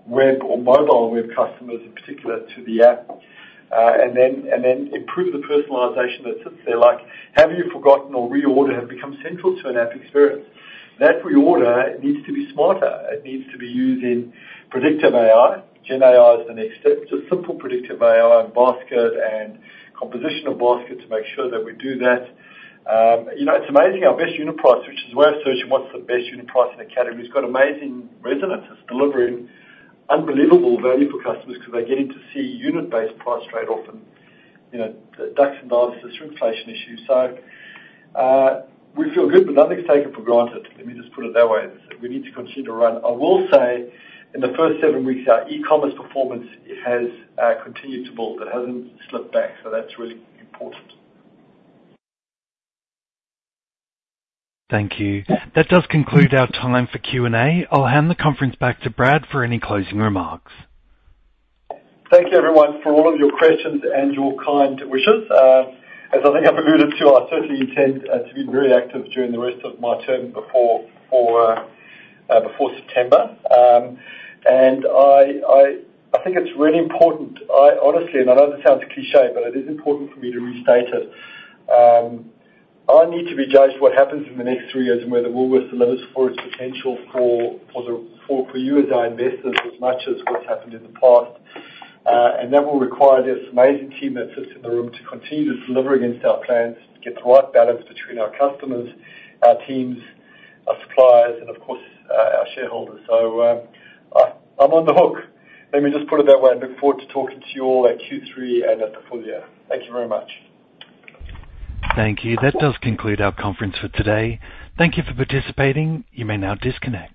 web or mobile web customers, in particular, to the app, and then improve the personalization that sits there, like have you forgotten or reorder have become central to an app experience. That reorder needs to be smarter. It needs to be used in predictive AI. GenAI is the next step, just simple predictive AI and basket and composition of basket to make sure that we do that. It's amazing. Our best unit price, which is where I'm searching what's the best unit price in a category, has got amazing resonance. It's delivering unbelievable value for customers because they get in to see unit-based price trade often, the ducks and doves just for inflation issues. So we feel good. But nothing's taken for granted. Let me just put it that way. We need to continue to run. I will say, in the first seven weeks, our e-commerce performance has continued to build. It hasn't slipped back. So that's really important. Thank you. That does conclude our time for Q&A. I'll hand the conference back to Brad for any closing remarks. Thank you, everyone, for all of your questions and your kind wishes. As I think I've alluded to, I certainly intend to be very active during the rest of my term before September. And I think it's really important, honestly and I know this sounds cliché, but it is important for me to restate it. I need to be judged what happens in the next three years and where the Woolworths delivers for its potential for you as our investors as much as what's happened in the past. And that will require this amazing team that sits in the room to continue to deliver against our plans, get the right balance between our customers, our teams, our suppliers, and of course, our shareholders. So I'm on the hook. Let me just put it that way and look forward to talking to you all at Q3 and at the full year. Thank you very much. Thank you. That does conclude our conference for today. Thank you for participating. You may now disconnect.